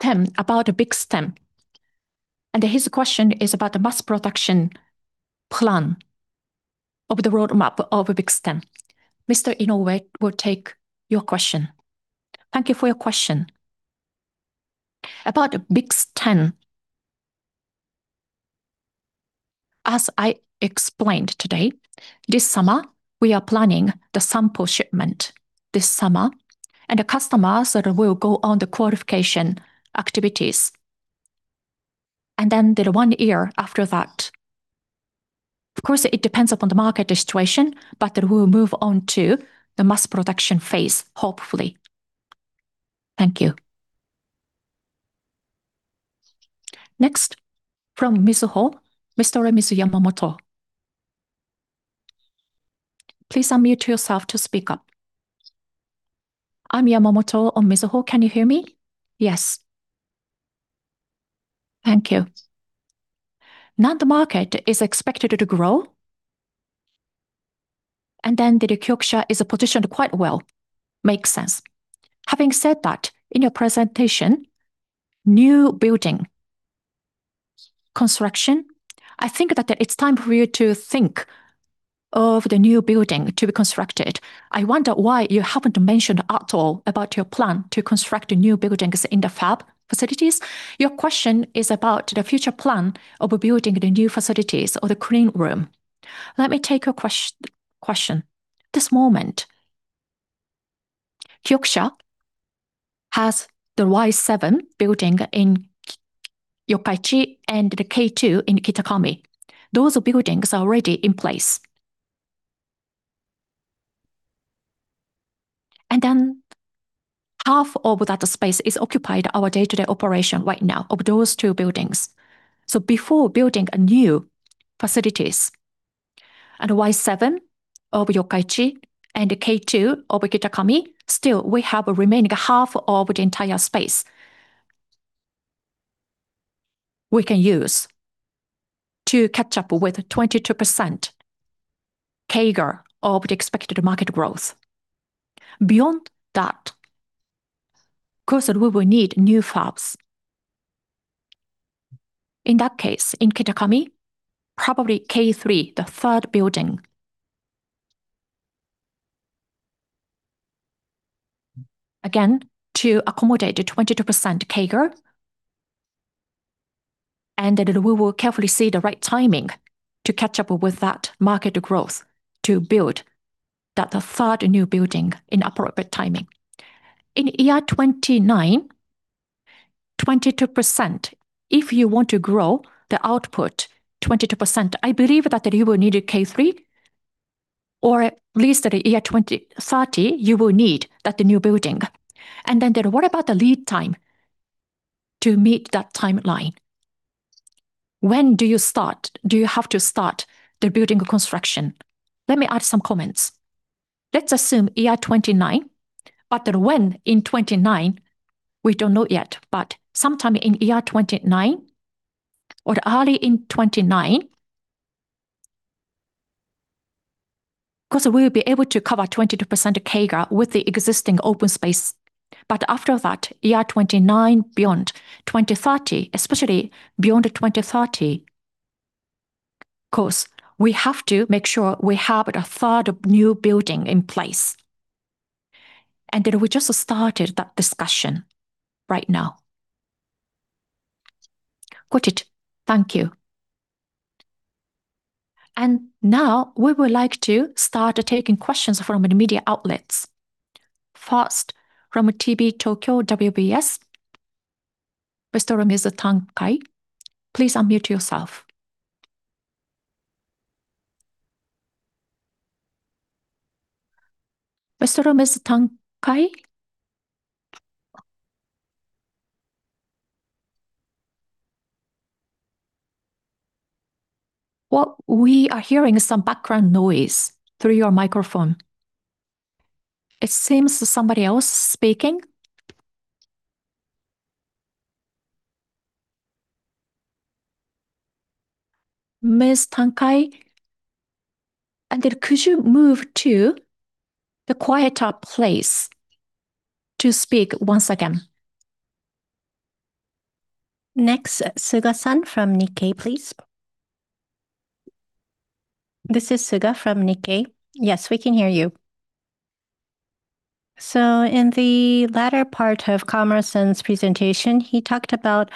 BiCS10, and his question is about the mass production plan of the roadmap of BiCS10. Mr. Inoue will take your question. Thank you for your question. About BiCS10, as I explained today, this summer, we are planning the sample shipment this summer, and the customers that will go on the qualification activities. Then the one year after that. Of course, it depends upon the market situation, but we will move on to the mass production phase, hopefully. Thank you. Next, from Mizuho, Mr. or Mrs. Yamamoto. Please unmute yourself to speak up. I'm Yamamoto on Mizuho. Can you hear me? Yes. Thank you. NAND market is expected to grow, and then KIOXIA is positioned quite well. Makes sense. Having said that, in your presentation, new building construction, I think that it's time for you to think of the new building to be constructed. I wonder why you haven't mentioned at all about your plan to construct new buildings in the fab facilities. Your question is about the future plan of building the new facilities or the clean room. Let me take your question. This moment, KIOXIA has the Y7 building in Yokkaichi and the K2 in Kitakami. Those buildings are already in place. Half of that space is occupied our day-to-day operation right now of those two buildings. Before building new facilities and Y7 of Yokkaichi and K2 of Kitakami, still we have a remaining half of the entire space we can use to catch up with 22% CAGR of the expected market growth. Beyond that, of course, we will need new fabs. In that case, in Kitakami, probably K3, the third building. To accommodate the 22% CAGR, we will carefully see the right timing to catch up with that market growth to build that third new building in appropriate timing. In FY 2029, 22%, if you want to grow the output 22%, I believe that you will need a K3, or at least at FY 2030, you will need that new building. What about the lead time to meet that timeline? When do you start? Do you have to start the building construction? Let me add some comments. Let's assume FY 2029, but when in 2029, we don't know yet, but sometime in FY 2029 or early in 2029. Of course, we will be able to cover 22% CAGR with the existing open space. After that, FY 2029, beyond 2030, especially beyond 2030, of course, we have to make sure we have the third new building in place. We just started that discussion right now. Got it. Thank you. Now we would like to start taking questions from the media outlets. First, from TV Tokyo WBS, Mr. Mizutani. Please unmute yourself. Mr. Mizutani? What we are hearing is some background noise through your microphone. It seems somebody else speaking. Ms. Tankai, could you move to the quieter place to speak once again? Next, Suga-san from Nikkei, please. This is Suga from Nikkei. Yes, we can hear you. In the latter part of Kawamura-san's presentation, he talked about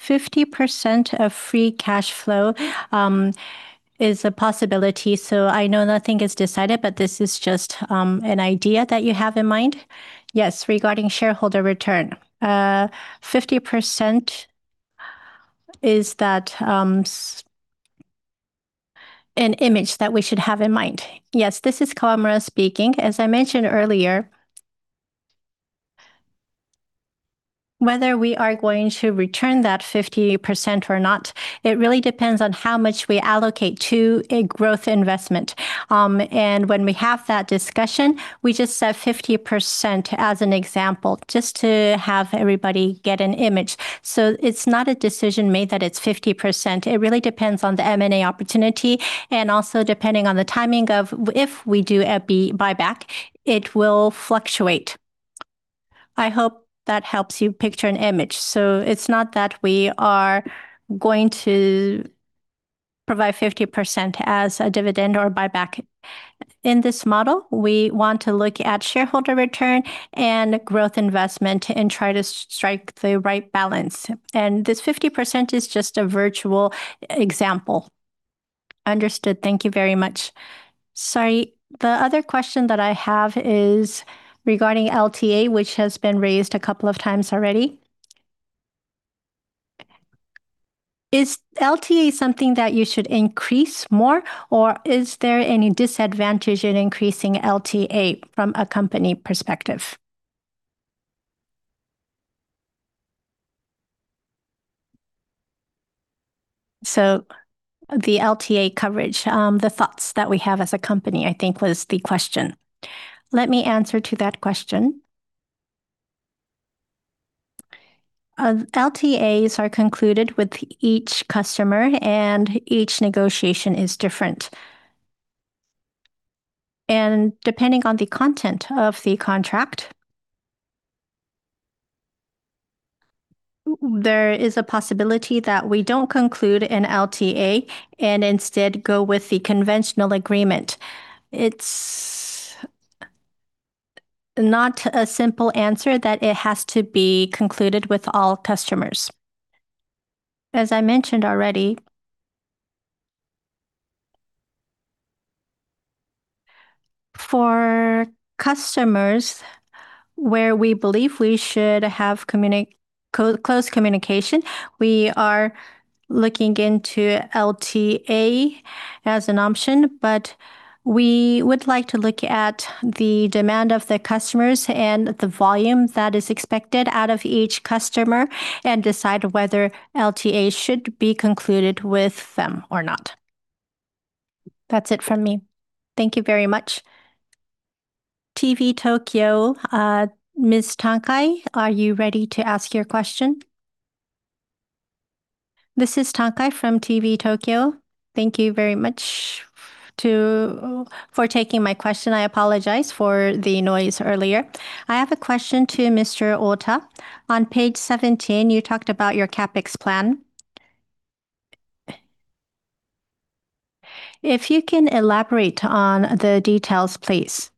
50% of free cash flow is a possibility. I know nothing is decided, but this is just an idea that you have in mind. Yes, regarding shareholder return. 50% is that an image that we should have in mind? Yes, this is Kawamura speaking. As I mentioned earlier, whether we are going to return that 50% or not, it really depends on how much we allocate to a growth investment. When we have that discussion, we just said 50% as an example, just to have everybody get an image. It's not a decision made that it's 50%. It really depends on the M&A opportunity and also depending on the timing of if we do a buyback, it will fluctuate. I hope that helps you picture an image. It's not that we are going to provide 50% as a dividend or buyback. In this model, we want to look at shareholder return and growth investment and try to strike the right balance. This 50% is just a virtual example. Understood. Thank you very much. Sorry, the other question that I have is regarding LTA, which has been raised a couple of times already. Is LTA something that you should increase more, or is there any disadvantage in increasing LTA from a company perspective? The LTA coverage, the thoughts that we have as a company, I think was the question. Let me answer to that question. LTAs are concluded with each customer and each negotiation is different. Depending on the content of the contract, there is a possibility that we don't conclude an LTA and instead go with the conventional agreement. It's not a simple answer that it has to be concluded with all customers. As I mentioned already, for customers where we believe we should have close communication, we are looking into LTA as an option. We would like to look at the demand of the customers and the volume that is expected out of each customer and decide whether LTA should be concluded with them or not. That's it from me. Thank you very much. TV Tokyo, Ms. Tankai, are you ready to ask your question? This is Tankai from TV Tokyo. Thank you very much for taking my question. I apologize for the noise earlier. I have a question to Mr. Ota. On page 17, you talked about your CapEx plan. If you can elaborate on the details, please.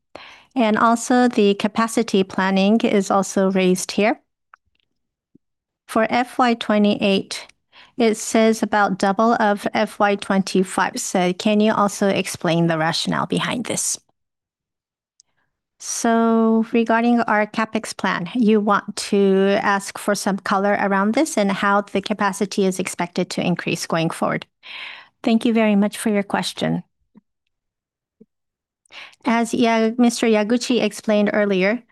Also the capacity planning is also raised here. For FY 2028, it says about double of FY 2025. Can you also explain the rationale behind this? Regarding our CapEx plan, you want to ask for some color around this and how the capacity is expected to increase going forward. Thank you very much for your question. As Mr. Yaguchi explained earlier,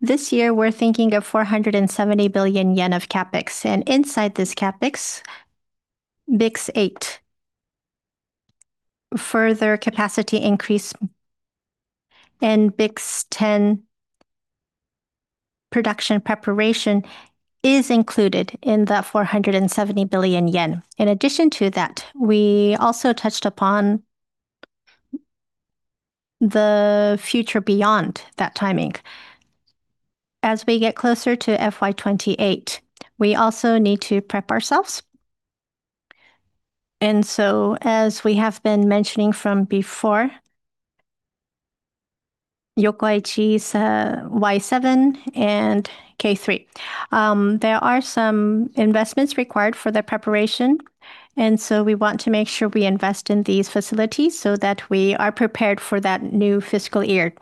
this year we're thinking of 470 billion yen of CapEx. Inside this CapEx, BiCS8 further capacity increase and BiCS10 production preparation is included in the 470 billion yen. In addition to that, we also touched upon the future beyond that timing. As we get closer to FY 2028, we also need to prep ourselves. As we have been mentioning from before, Yokkaichi's Y7 and K3, there are some investments required for the preparation, and so we want to make sure we invest in these facilities so that we are prepared for that new fiscal year.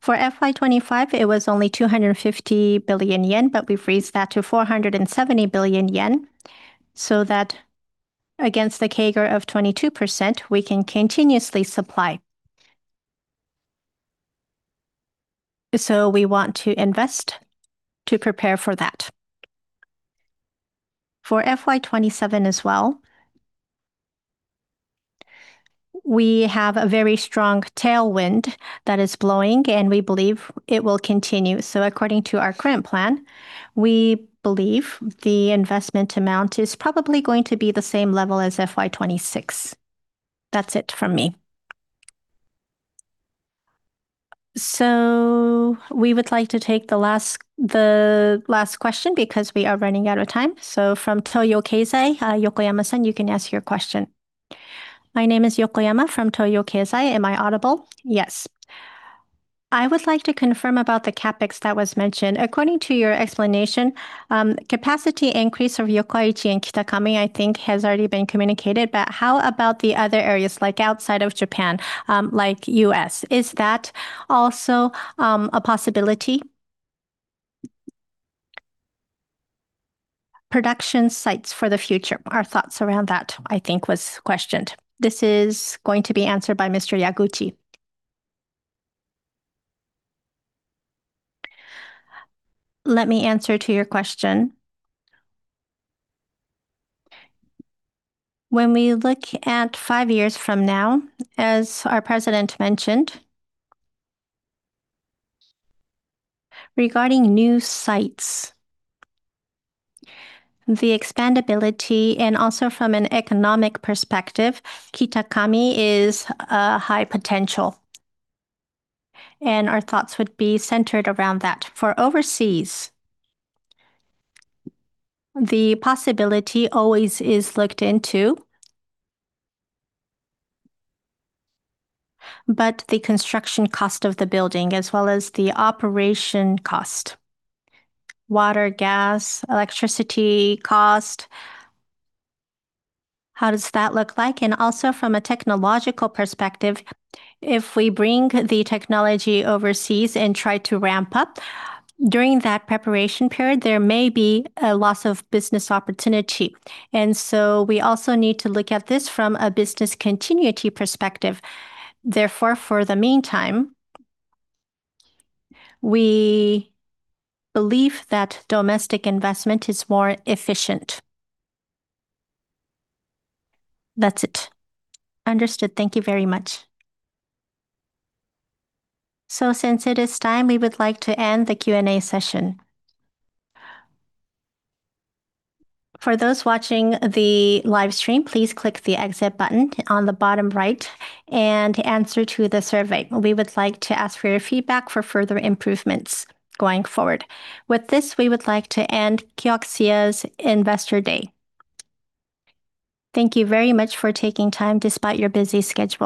For FY 2025 it was only 250 billion yen, but we've raised that to 470 billion yen so that against the CAGR of 22%, we can continuously supply. We want to invest to prepare for that. For FY 2027 as well, we have a very strong tailwind that is blowing, we believe it will continue. According to our current plan, we believe the investment amount is probably going to be the same level as FY 2026. That is it from me. We would like to take the last question because we are running out of time. From Toyo Keizai, Yokoyama-san, you can ask your question. My name is Yokoyama from Toyo Keizai. Am I audible? Yes. I would like to confirm about the CapEx that was mentioned. According to your explanation, capacity increase of Yokkaichi and Kitakami, I think has already been communicated. How about the other areas like outside of Japan, like U.S.? Is that also a possibility? Production sites for the future. Our thoughts around that, I think was questioned. This is going to be answered by Mr. Yaguchi. Let me answer to your question. When we look at five years from now, as our president mentioned, regarding new sites, the expandability and also from an economic perspective, Kitakami is a high potential. Our thoughts would be centered around that. For overseas, the possibility always is looked into, but the construction cost of the building as well as the operation cost, water, gas, electricity cost, how does that look like? Also from a technological perspective, if we bring the technology overseas and try to ramp up during that preparation period, there may be a loss of business opportunity. We also need to look at this from a business continuity perspective. Therefore, for the meantime, we believe that domestic investment is more efficient. That's it. Understood. Thank you very much. Since it is time, we would like to end the Q&A session. For those watching the live stream, please click the exit button on the bottom right and answer to the survey. We would like to ask for your feedback for further improvements going forward. With this, we would like to end KIOXIA's Investor Day. Thank you very much for taking time despite your busy schedule.